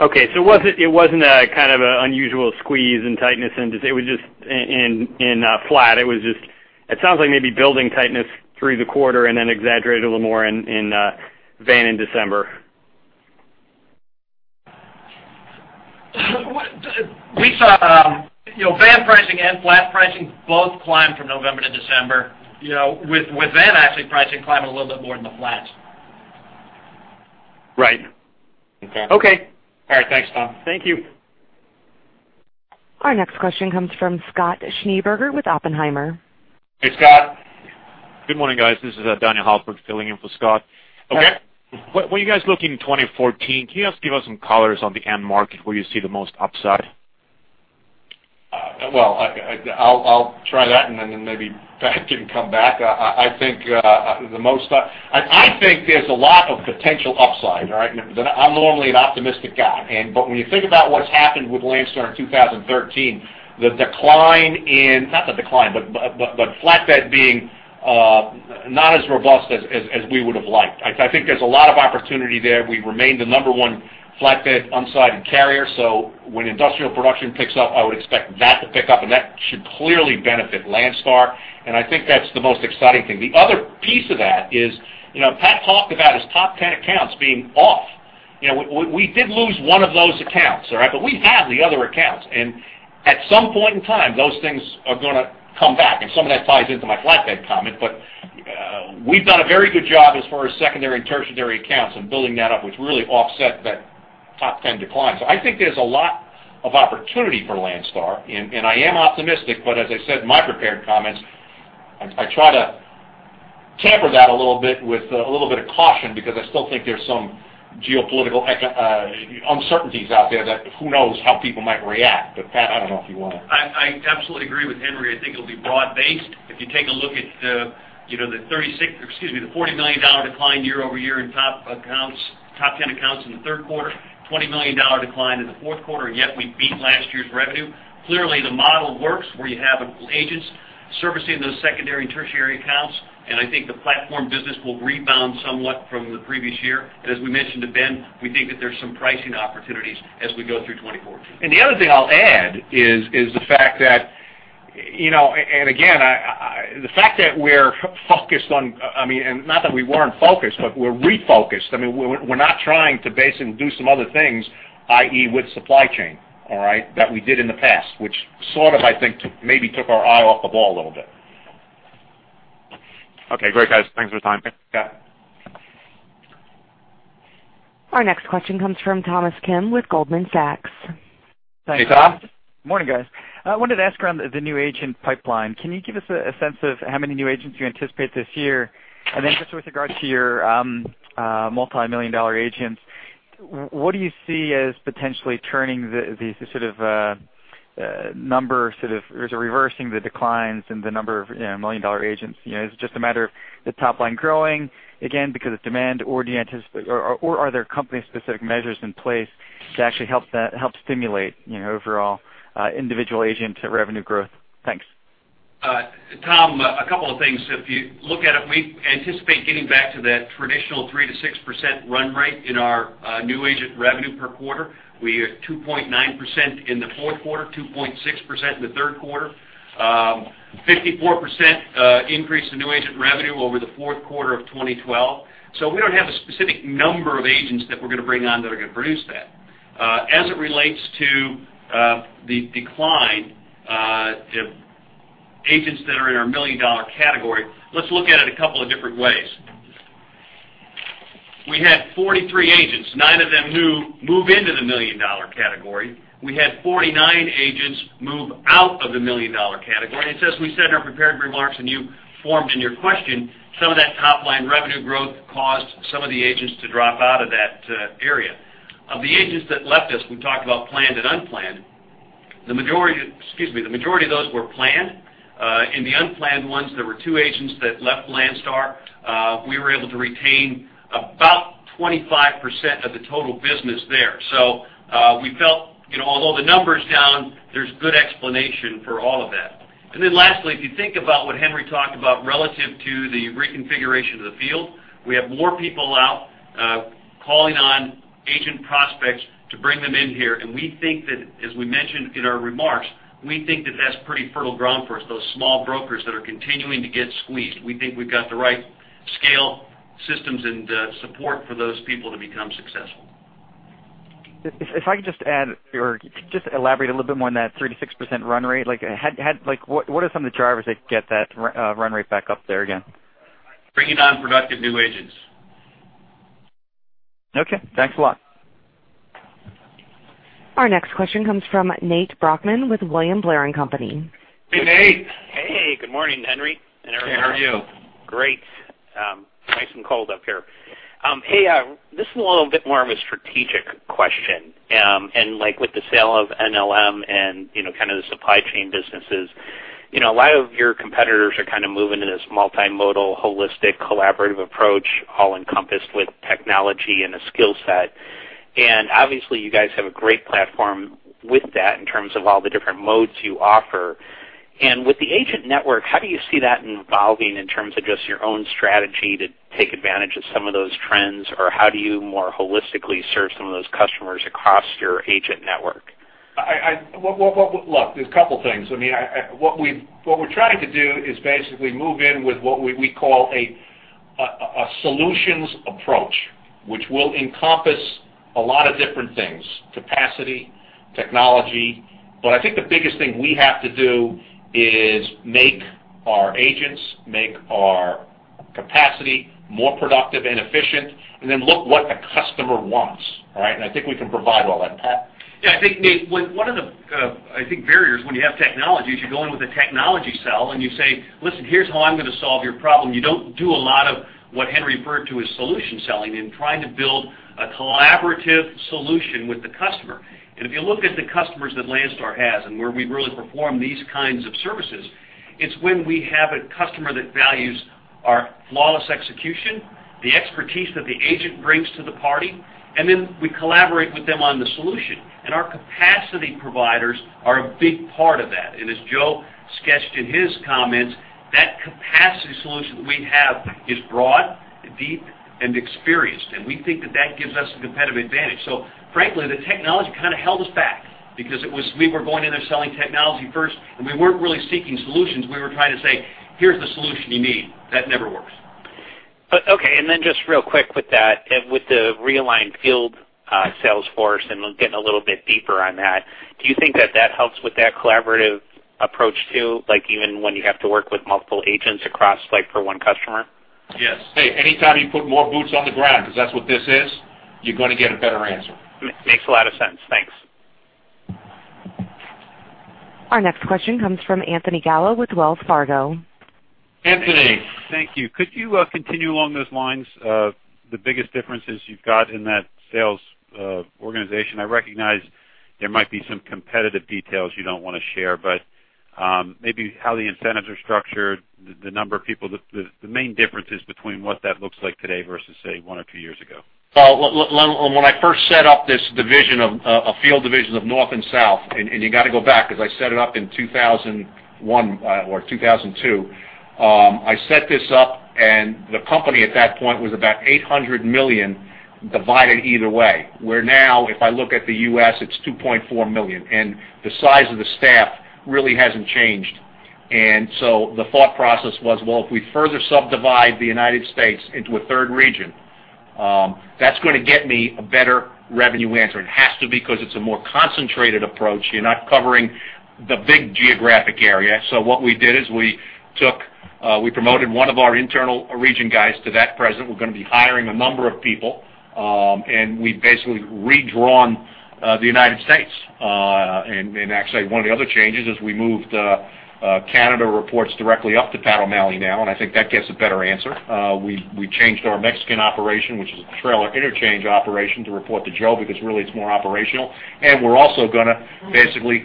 Okay, so it wasn't a kind of an unusual squeeze and tightness, and it was just in flat. It was just, it sounds like maybe building tightness through the quarter and then exaggerated a little more in van in December. We saw, you know, van pricing and flat pricing both climb from November to December, you know, with van actually pricing climbing a little bit more than the flats. Right. Okay. All right. Thanks, Tom. Thank you. Our next question comes from Scott Schneeberger with Oppenheimer. Hey, Scott. Good morning, guys. This is, Daniel Hultberg, filling in for Scott. Okay. When you guys look in 2014, can you just give us some colors on the end market where you see the most upside? Well, I'll try that, and then maybe Pat can come back. I think there's a lot of potential upside, all right? I'm normally an optimistic guy, and, but when you think about what's happened with Landstar in 2013, the decline in, not the decline, but flatbed being- Not as robust as we would have liked. I think there's a lot of opportunity there. We remain the number one flatbed unsided carrier, so when industrial production picks up, I would expect that to pick up, and that should clearly benefit Landstar, and I think that's the most exciting thing. The other piece of that is, you know, Pat talked about his top ten accounts being off. You know, we did lose one of those accounts, all right? But we have the other accounts, and at some point in time, those things are gonna come back, and some of that ties into my flatbed comment. But we've done a very good job as far as secondary and tertiary accounts and building that up, which really offset that top ten decline. So I think there's a lot of opportunity for Landstar, and I am optimistic, but as I said in my prepared comments, I try to temper that a little bit with a little bit of caution because I still think there's some geopolitical economic uncertainties out there that who knows how people might react. But Pat, I don't know if you wanna. I absolutely agree with Henry. I think it'll be broad-based. If you take a look at, you know, the thirty-six, excuse me, the $40 million decline year-over-year in top accounts, top 10 accounts in the third quarter, $20 million decline in the fourth quarter, and yet we beat last year's revenue. Clearly, the model works, where you have agents servicing those secondary and tertiary accounts, and I think the platform business will rebound somewhat from the previous year. And as we mentioned to Ben, we think that there's some pricing opportunities as we go through 2014. And the other thing I'll add is the fact that, you know, and again, the fact that we're focused on. I mean, and not that we weren't focused, but we're refocused. I mean, we're not trying to basically do some other things, i.e., with supply chain, all right? That we did in the past, which sort of, I think, maybe took our eye off the ball a little bit. Okay, great, guys. Thanks for the time. Yeah. Our next question comes from Thomas Kim with Goldman Sachs. Hey, Tom. Morning, guys. I wanted to ask around the new agent pipeline. Can you give us a sense of how many new agents you anticipate this year? And then just with regards to your multimillion-dollar agents, what do you see as potentially turning the sort of number sort of reversing the declines in the number of, you know, million-dollar agents? You know, is it just a matter of the top line growing again because of demand or anticipated, or are there company-specific measures in place to actually help that, help stimulate, you know, overall individual agent revenue growth? Thanks. Tom, a couple of things. If you look at it, we anticipate getting back to that traditional 3%-6% run rate in our new agent revenue per quarter. We are 2.9% in the fourth quarter, 2.6% in the third quarter, 54% increase in new agent revenue over the fourth quarter of 2012. So we don't have a specific number of agents that we're going to bring on that are going to produce that. As it relates to the decline, agents that are in our million-dollar category, let's look at it a couple of different ways. We had 43 agents, nine of them new, move into the million-dollar category. We had 49 agents move out of the million-dollar category. So as we said in our prepared remarks, and you formed in your question, some of that top-line revenue growth caused some of the agents to drop out of that, area. Of the agents that left us, we talked about planned and unplanned. The majority, excuse me, the majority of those were planned. In the unplanned ones, there were two agents that left Landstar. We were able to retain about 25% of the total business there. So, we felt, you know, although the number's down, there's good explanation for all of that. And then lastly, if you think about what Henry talked about, relative to the reconfiguration of the field, we have more people out, calling on agent prospects to bring them in here. We think that, as we mentioned in our remarks, we think that that's pretty fertile ground for us, those small brokers that are continuing to get squeezed. We think we've got the right scale, systems, and support for those people to become successful. If I can just add or just elaborate a little bit more on that 3%-6% run rate, like, how, like, what are some of the drivers that get that run rate back up there again? Bringing on productive new agents. Okay. Thanks a lot. Our next question comes from Nate Brochmann with William Blair & Company. Hey, Nate. Hey, good morning, Henry and Eric. How are you? Great. Nice and cold up here. Hey, this is a little bit more of a strategic question. And like with the sale of NLM and, you know, kind of the supply chain businesses, you know, a lot of your competitors are kind of moving to this multimodal, holistic, collaborative approach, all encompassed with technology and a skill set. And obviously, you guys have a great platform with that in terms of all the different modes you offer. And with the agent network, how do you see that involving in terms of just your own strategy to take advantage of some of those trends? Or how do you more holistically serve some of those customers across your agent network? Well, look, there's a couple things. I mean, what we're trying to do is basically move in with what we call a solutions approach, which will encompass a lot of different things: capacity, technology. But I think the biggest thing we have to do is make our agents, make our capacity more productive and efficient, and then look what the customer wants, all right? And I think we can provide all that. Pat? Yeah, I think, Nate, one of the, I think barriers when you have technology is you go in with a technology sell and you say: "Listen, here's how I'm going to solve your problem." You don't do a lot of what Henry referred to as solution selling and trying to build a collaborative solution with the customer. And if you look at the customers that Landstar has and where we've really performed these kinds of services, it's when we have a customer that values. Our flawless execution, the expertise that the agent brings to the party, and then we collaborate with them on the solution. Our capacity providers are a big part of that. And as Joe sketched in his comments, that capacity solution we have is broad, deep, and experienced, and we think that that gives us a competitive advantage. So frankly, the technology kind of held us back because it was, we were going in there selling technology first, and we weren't really seeking solutions. We were trying to say, "Here's the solution you need." That never works. But okay, and then just real quick with that, with the realigned field, sales force and getting a little bit deeper on that, do you think that that helps with that collaborative approach too? Like, even when you have to work with multiple agents across, like, for one customer? Yes. Hey, anytime you put more boots on the ground, because that's what this is, you're going to get a better answer. Makes a lot of sense. Thanks. Our next question comes from Anthony Gallo with Wells Fargo. Anthony, thank you. Could you continue along those lines of the biggest differences you've got in that sales organization? I recognize there might be some competitive details you don't want to share, but maybe how the incentives are structured, the number of people, the main differences between what that looks like today versus, say, one or two years ago. Well, when I first set up this division of, a field division of North and South, and, and you got to go back, because I set it up in 2001, or 2002. I set this up, and the company at that point was about $800 million divided either way, where now, if I look at the U.S., it's $2.4 million, and the size of the staff really hasn't changed. And so the thought process was, well, if we further subdivide the United States into a third region, that's going to get me a better revenue answer. It has to because it's a more concentrated approach. You're not covering the big geographic area. So what we did is we took, we promoted one of our internal region guys to that president. We're going to be hiring a number of people, and we've basically redrawn the United States. Actually, one of the other changes is we moved Canada reports directly up to Pat O'Malley now, and I think that gets a better answer. We changed our Mexican operation, which is a trailer interchange operation, to report to Joe, because really, it's more operational. And we're also going to basically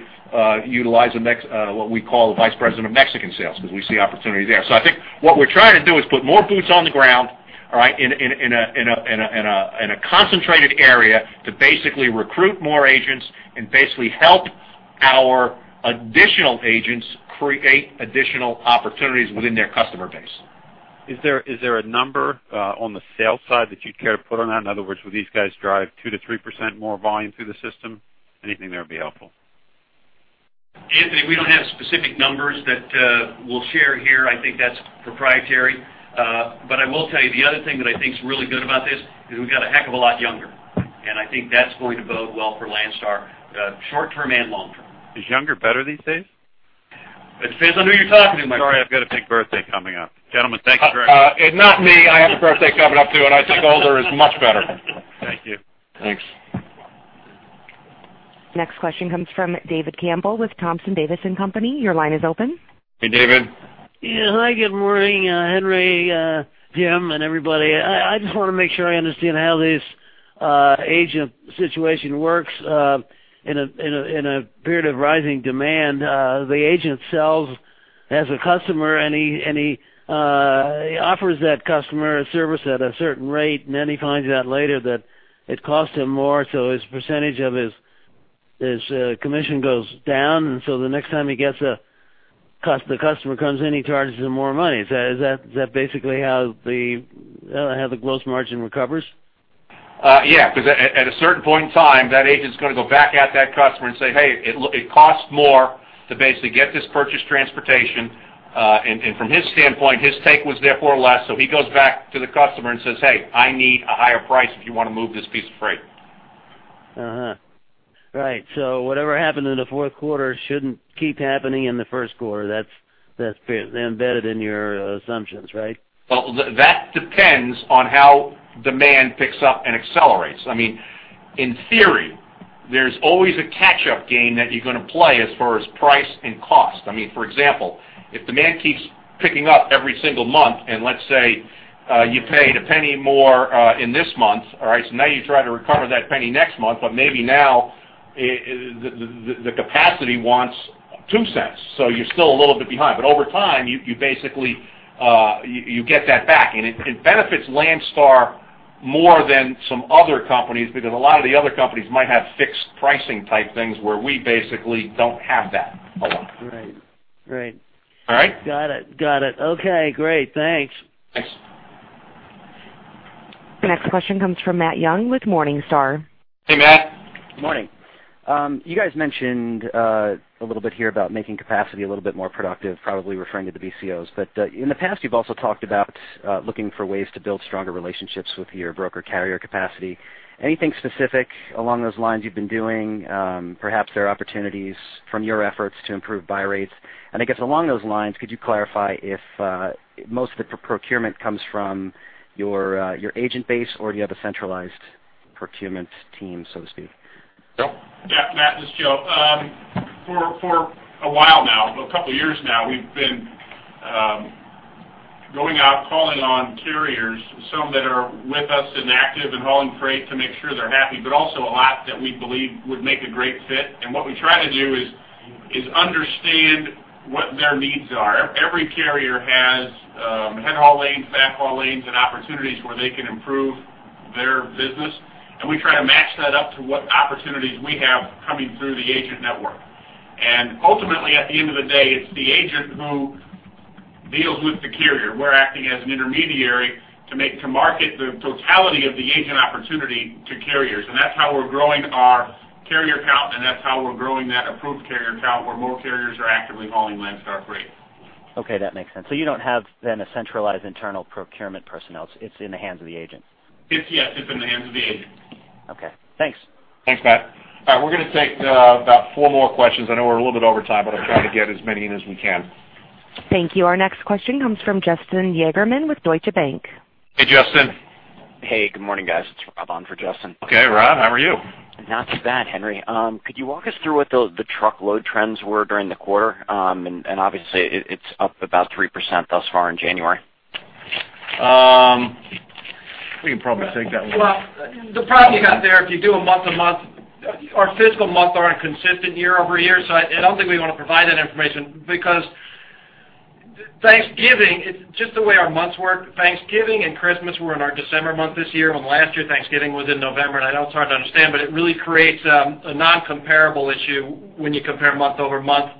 utilize a Mexican what we call the Vice President of Mexican Sales, because we see opportunities there. So I think what we're trying to do is put more boots on the ground, all right, in a concentrated area to basically recruit more agents and basically help our additional agents create additional opportunities within their customer base. Is there, is there a number on the sales side that you'd care to put on that? In other words, will these guys drive 2%-3% more volume through the system? Anything there would be helpful. Anthony, we don't have specific numbers that, we'll share here. I think that's proprietary. But I will tell you the other thing that I think is really good about this, is we've got a heck of a lot younger, and I think that's going to bode well for Landstar, short term and long term. Is younger better these days? It depends on who you're talking to. Sorry, I've got a big birthday coming up. Gentlemen, thank you very much. Not me. I have a birthday coming up, too, and I think older is much better. Thank you. Thanks. Next question comes from David Campbell with Thompson, Davis & Company. Your line is open. Hey, David. Yeah. Hi, good morning, Henry, Jim, and everybody. I just want to make sure I understand how this agent situation works in a period of rising demand. The agent sells as a customer, and he offers that customer a service at a certain rate, and then he finds out later that it cost him more, so his percentage of his commission goes down. And so the next time he gets a cust- the customer comes in, he charges him more money. Is that basically how the gross margin recovers? Yeah, because at a certain point in time, that agent's going to go back at that customer and say, "Hey, it costs more to basically get this purchased transportation." And from his standpoint, his take was therefore less. So he goes back to the customer and says, "Hey, I need a higher price if you want to move this piece of freight. Right. So whatever happened in the fourth quarter shouldn't keep happening in the first quarter. That's, that's embedded in your assumptions, right? Well, that depends on how demand picks up and accelerates. I mean, in theory, there's always a catch-up game that you're going to play as far as price and cost. I mean, for example, if demand keeps picking up every single month, and let's say you paid a penny more in this month, all right? So now you try to recover that penny next month, but maybe now the capacity wants two cents, so you're still a little bit behind. But over time, you basically get that back. And it benefits Landstar more than some other companies, because a lot of the other companies might have fixed pricing type things where we basically don't have that a lot. Right. Right. All right? Got it. Got it. Okay, great. Thanks. Thanks. The next question comes from Matt Young with Morningstar. Hey, Matt. Good morning. You guys mentioned a little bit here about making capacity a little bit more productive, probably referring to the BCOs. But in the past, you've also talked about looking for ways to build stronger relationships with your broker carrier capacity. Anything specific along those lines you've been doing? Perhaps there are opportunities from your efforts to improve buy rates. And I guess along those lines, could you clarify if most of the procurement comes from your your agent base, or do you have a centralized procurement team, so to speak? Joe? Yeah, Matt, this is Joe. For a while now, a couple of years now, we've been going out, calling on carriers, some that are with us and active and hauling freight to make sure they're happy, but also a lot that we believe would make a great fit. And what we try to do is understand what their needs are. Every carrier has head haul lanes, back haul lanes, and opportunities where they can improve their business, and we try to match that up to what opportunities we have coming through the agent network. Ultimately, at the end of the day, it's the agent who deals with the carrier. We're acting as an intermediary to market the totality of the agent opportunity to carriers, and that's how we're growing our carrier count, and that's how we're growing that approved carrier count, where more carriers are actively hauling Landstar freight. Okay, that makes sense. So you don't have then, a centralized internal procurement personnel. It's in the hands of the agent. It's yes, it's in the hands of the agent. Okay, thanks. Thanks, Matt. All right, we're gonna take about four more questions. I know we're a little bit over time, but I'll try to get as many in as we can. Thank you. Our next question comes from Justin Yagerman with Deutsche Bank. Hey, Justin. Hey, good morning, guys. It's Rob on for Justin. Okay, Rob, how are you? Not too bad, Henry. Could you walk us through what the truckload trends were during the quarter? And obviously, it's up about 3% thus far in January. We can probably take that one. Well, the problem you got there, if you do a month-to-month, our fiscal months are inconsistent year-over-year, so I don't think we want to provide that information because Thanksgiving, it's just the way our months work. Thanksgiving and Christmas were in our December month this year, and last year, Thanksgiving was in November. And I know it's hard to understand, but it really creates a non-comparable issue when you compare month-over-month.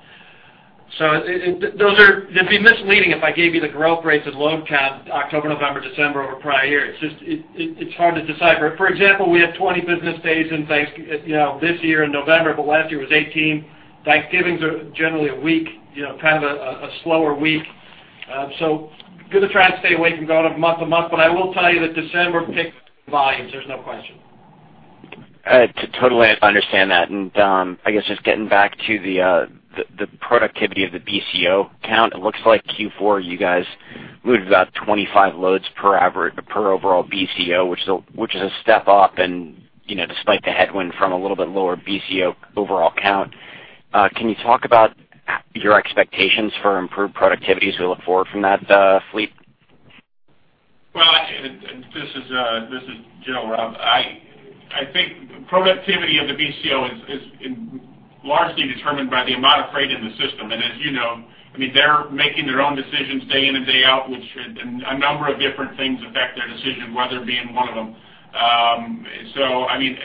So it'd be misleading if I gave you the growth rates of load count, October, November, December, over prior years. It's hard to decipher. For example, we had 20 business days, you know, this year in November, but last year was 18. Thanksgivings are generally a week, you know, kind of a slower week. We're gonna try to stay away from going month to month, but I will tell you that December picked volumes. There's no question. Totally, I understand that. I guess just getting back to the productivity of the BCO count, it looks like Q4, you guys moved about 25 loads per hour per overall BCO, which is a step up, and, you know, despite the headwind from a little bit lower BCO overall count. Can you talk about your expectations for improved productivity as we look forward from that fleet? Well, this is Joe, Rob. I think productivity of the BCO is largely determined by the amount of freight in the system. And as you know, I mean, they're making their own decisions day in and day out, which a number of different things affect their decision, weather being one of them. So I mean,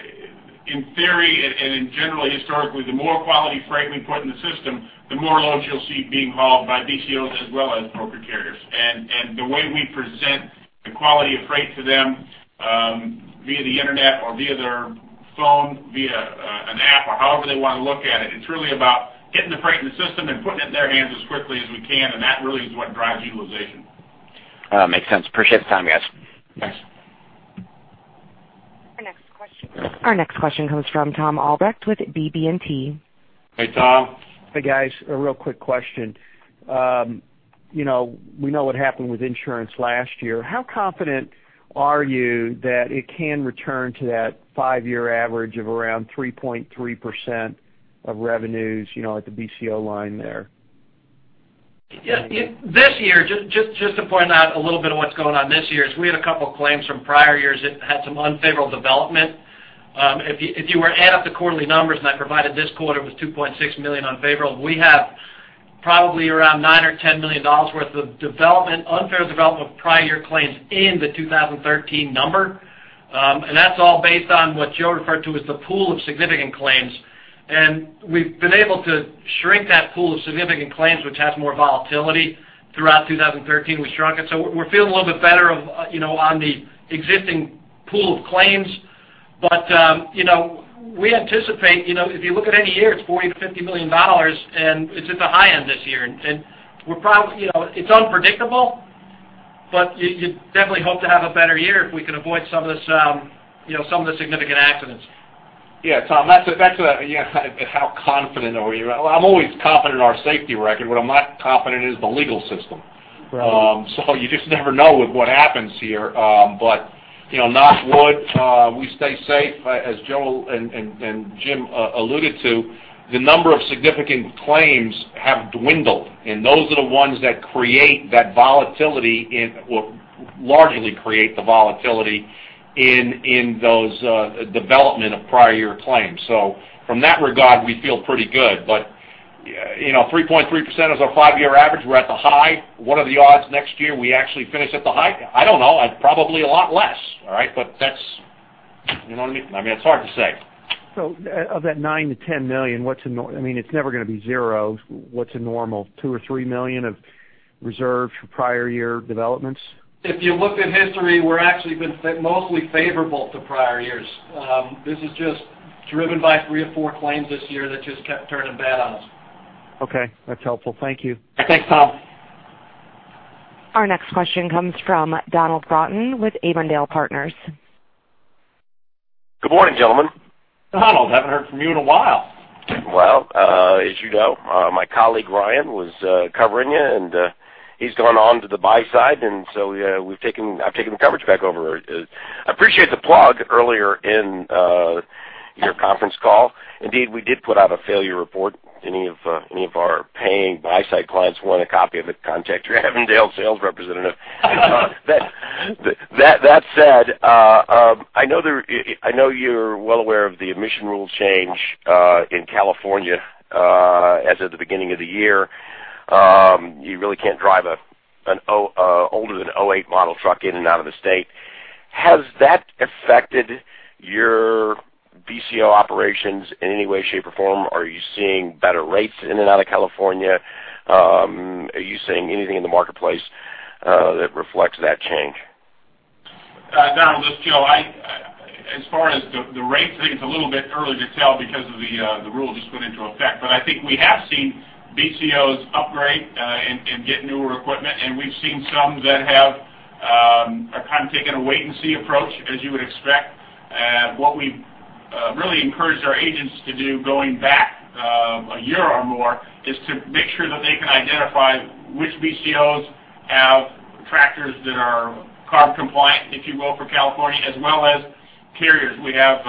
in theory and in general, historically, the more quality freight we put in the system, the more loads you'll see being hauled by BCOs as well as broker carriers. And the way we present the quality of freight to them via the internet or via their phone, via an app or however they want to look at it, it's really about getting the freight in the system and putting it in their hands as quickly as we can, and that really is what drives utilization. Makes sense. Appreciate the time, guys. Thanks. Our next question comes from Tom Albrecht with BB&T. Hey, Tom. Hey, guys. A real quick question. You know, we know what happened with insurance last year. How confident are you that it can return to that five-year average of around 3.3% of revenues, you know, at the BCO line there? Yeah, this year, just to point out a little bit of what's going on this year, is we had a couple claims from prior years that had some unfavorable development. If you were to add up the quarterly numbers, and I provided this quarter with $2.6 million unfavorable, we have probably around $9-$10 million worth of development, unfavorable development of prior year claims in the 2013 number. And that's all based on what Joe referred to as the pool of significant claims. And we've been able to shrink that pool of significant claims, which has more volatility. Throughout 2013, we shrunk it. So we're feeling a little bit better of, you know, on the existing pool of claims. You know, we anticipate, you know, if you look at any year, it's $40 million-$50 million, and it's at the high end this year. We're probably, you know, it's unpredictable, but you definitely hope to have a better year if we can avoid some of this, you know, some of the significant accidents. Yeah, Tom, that's, you know, how confident are we? Well, I'm always confident in our safety record. What I'm not confident in is the legal system. Right. So you just never know with what happens here. But, you know, knock on wood, we stay safe. As Joe and Jim alluded to, the number of significant claims have dwindled, and those are the ones that create that volatility in. Well, largely create the volatility in those development of prior year claims. So from that regard, we feel pretty good. But, you know, 3.3% is our five-year average. We're at the high. What are the odds next year we actually finish at the high? I don't know. Probably a lot less, all right? But that's, you know what I mean? I mean, it's hard to say. So of that $9 million-$10 million, what's a normal? I mean, it's never gonna be zero. What's a normal? $2 million or $3 million of reserves for prior year developments? If you looked at history, we're actually been mostly favorable to prior years. This is just driven by three or four claims this year that just kept turning bad on us. Okay, that's helpful. Thank you. Thanks, Tom. Our next question comes from Donald Broughton with Avondale Partners. Good morning, gentlemen. Donald, haven't heard from you in a while. Well, as you know, my colleague, Ryan, was covering you, and he's gone on to the buy side, and so, we've taken- I've taken the coverage back over. I appreciate the plug earlier in your conference call. Indeed, we did put out a failure report. Any of any of our paying buy-side clients want a copy of it, contact your Avondale sales representative. But that said, I know you're well aware of the emission rule change in California as of the beginning of the year. You really can't drive an older than 2008 model truck in and out of the state. Has that affected your BCO operations in any way, shape, or form? Are you seeing better rates in and out of California? Are you seeing anything in the marketplace that reflects that change? Donald, this is Joe. As far as the rate thing, it's a little bit early to tell because the rule just went into effect. But I think we have seen BCOs upgrade and get newer equipment, and we've seen some that are kind of taking a wait-and-see approach, as you would expect. What we've really encouraged our agents to do, going back a year or more, is to make sure that they can identify which BCOs have tractors that are CARB compliant, if you will, for California, as well as carriers. We have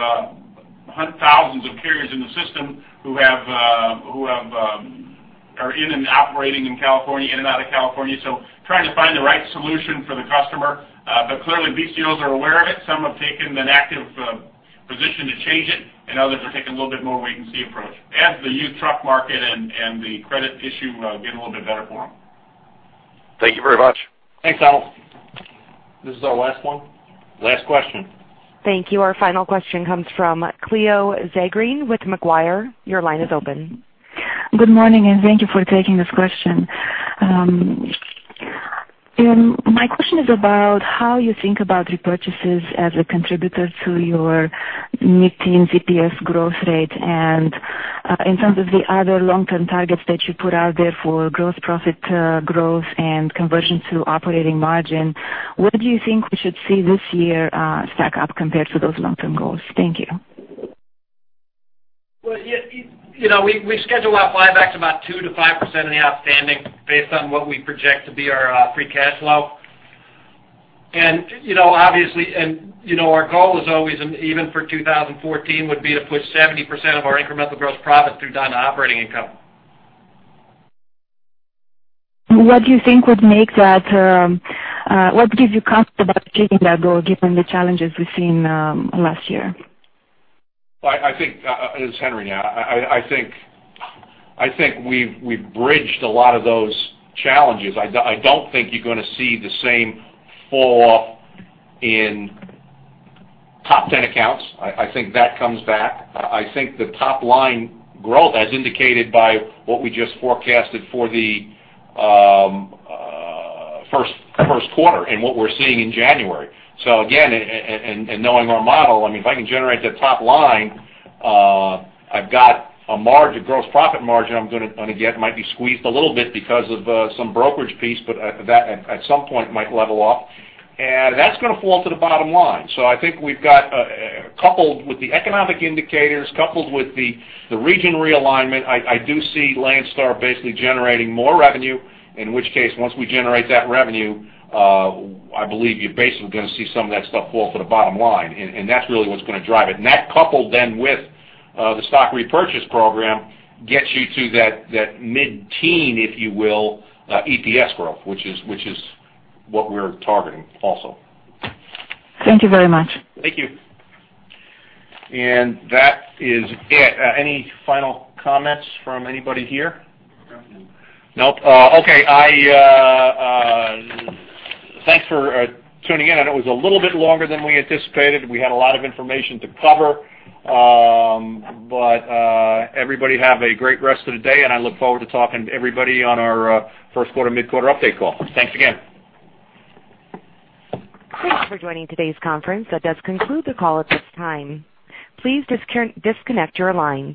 thousands of carriers in the system who are in and operating in California, in and out of California, so trying to find the right solution for the customer. But clearly, BCOs are aware of it. Some have taken an active position to change it, and others are taking a little bit more wait-and-see approach as the used truck market and the credit issue get a little bit better for them. Thank you very much. Thanks, Donald. This is our last one? Last question. Thank you. Our final question comes from Cleo Zagrean with Macquarie. Your line is open. Good morning, and thank you for taking this question. And my question is about how you think about repurchases as a contributor to your mid-teen EPS growth rate. And, in terms of the other long-term targets that you put out there for gross profit, growth and conversion to operating margin, what do you think we should see this year, stack up compared to those long-term goals? Thank you. Well, yeah, you, you know, we, we schedule our buybacks about 2%-5% of the outstanding based on what we project to be our free cash flow. And, you know, obviously, and, you know, our goal is always, and even for 2014, would be to push 70% of our incremental gross profit through down to operating income. What gives you confidence about achieving that goal, given the challenges we've seen last year? Well, I think this is Henry. I think we've bridged a lot of those challenges. I don't think you're going to see the same fall in top ten accounts. I think that comes back. I think the top-line growth, as indicated by what we just forecasted for the first quarter and what we're seeing in January. So again, and knowing our model, I mean, if I can generate that top line, I've got a margin, gross profit margin I'm gonna get. Might be squeezed a little bit because of some brokerage piece, but that, at some point might level off, and that's going to fall to the bottom line. So I think we've got, coupled with the economic indicators, coupled with the region realignment, I do see Landstar basically generating more revenue, in which case, once we generate that revenue, I believe you're basically going to see some of that stuff fall to the bottom line, and that's really what's going to drive it. And that, coupled then with the stock repurchase program, gets you to that mid-teen, if you will, EPS growth, which is what we're targeting also. Thank you very much. Thank you. That is it. Any final comments from anybody here? Nothing. Nope. Okay, thanks for tuning in. I know it was a little bit longer than we anticipated. We had a lot of information to cover. But everybody have a great rest of the day, and I look forward to talking to everybody on our first quarter mid-quarter update call. Thanks again. Thank you for joining today's conference. That does conclude the call at this time. Please disconnect your line.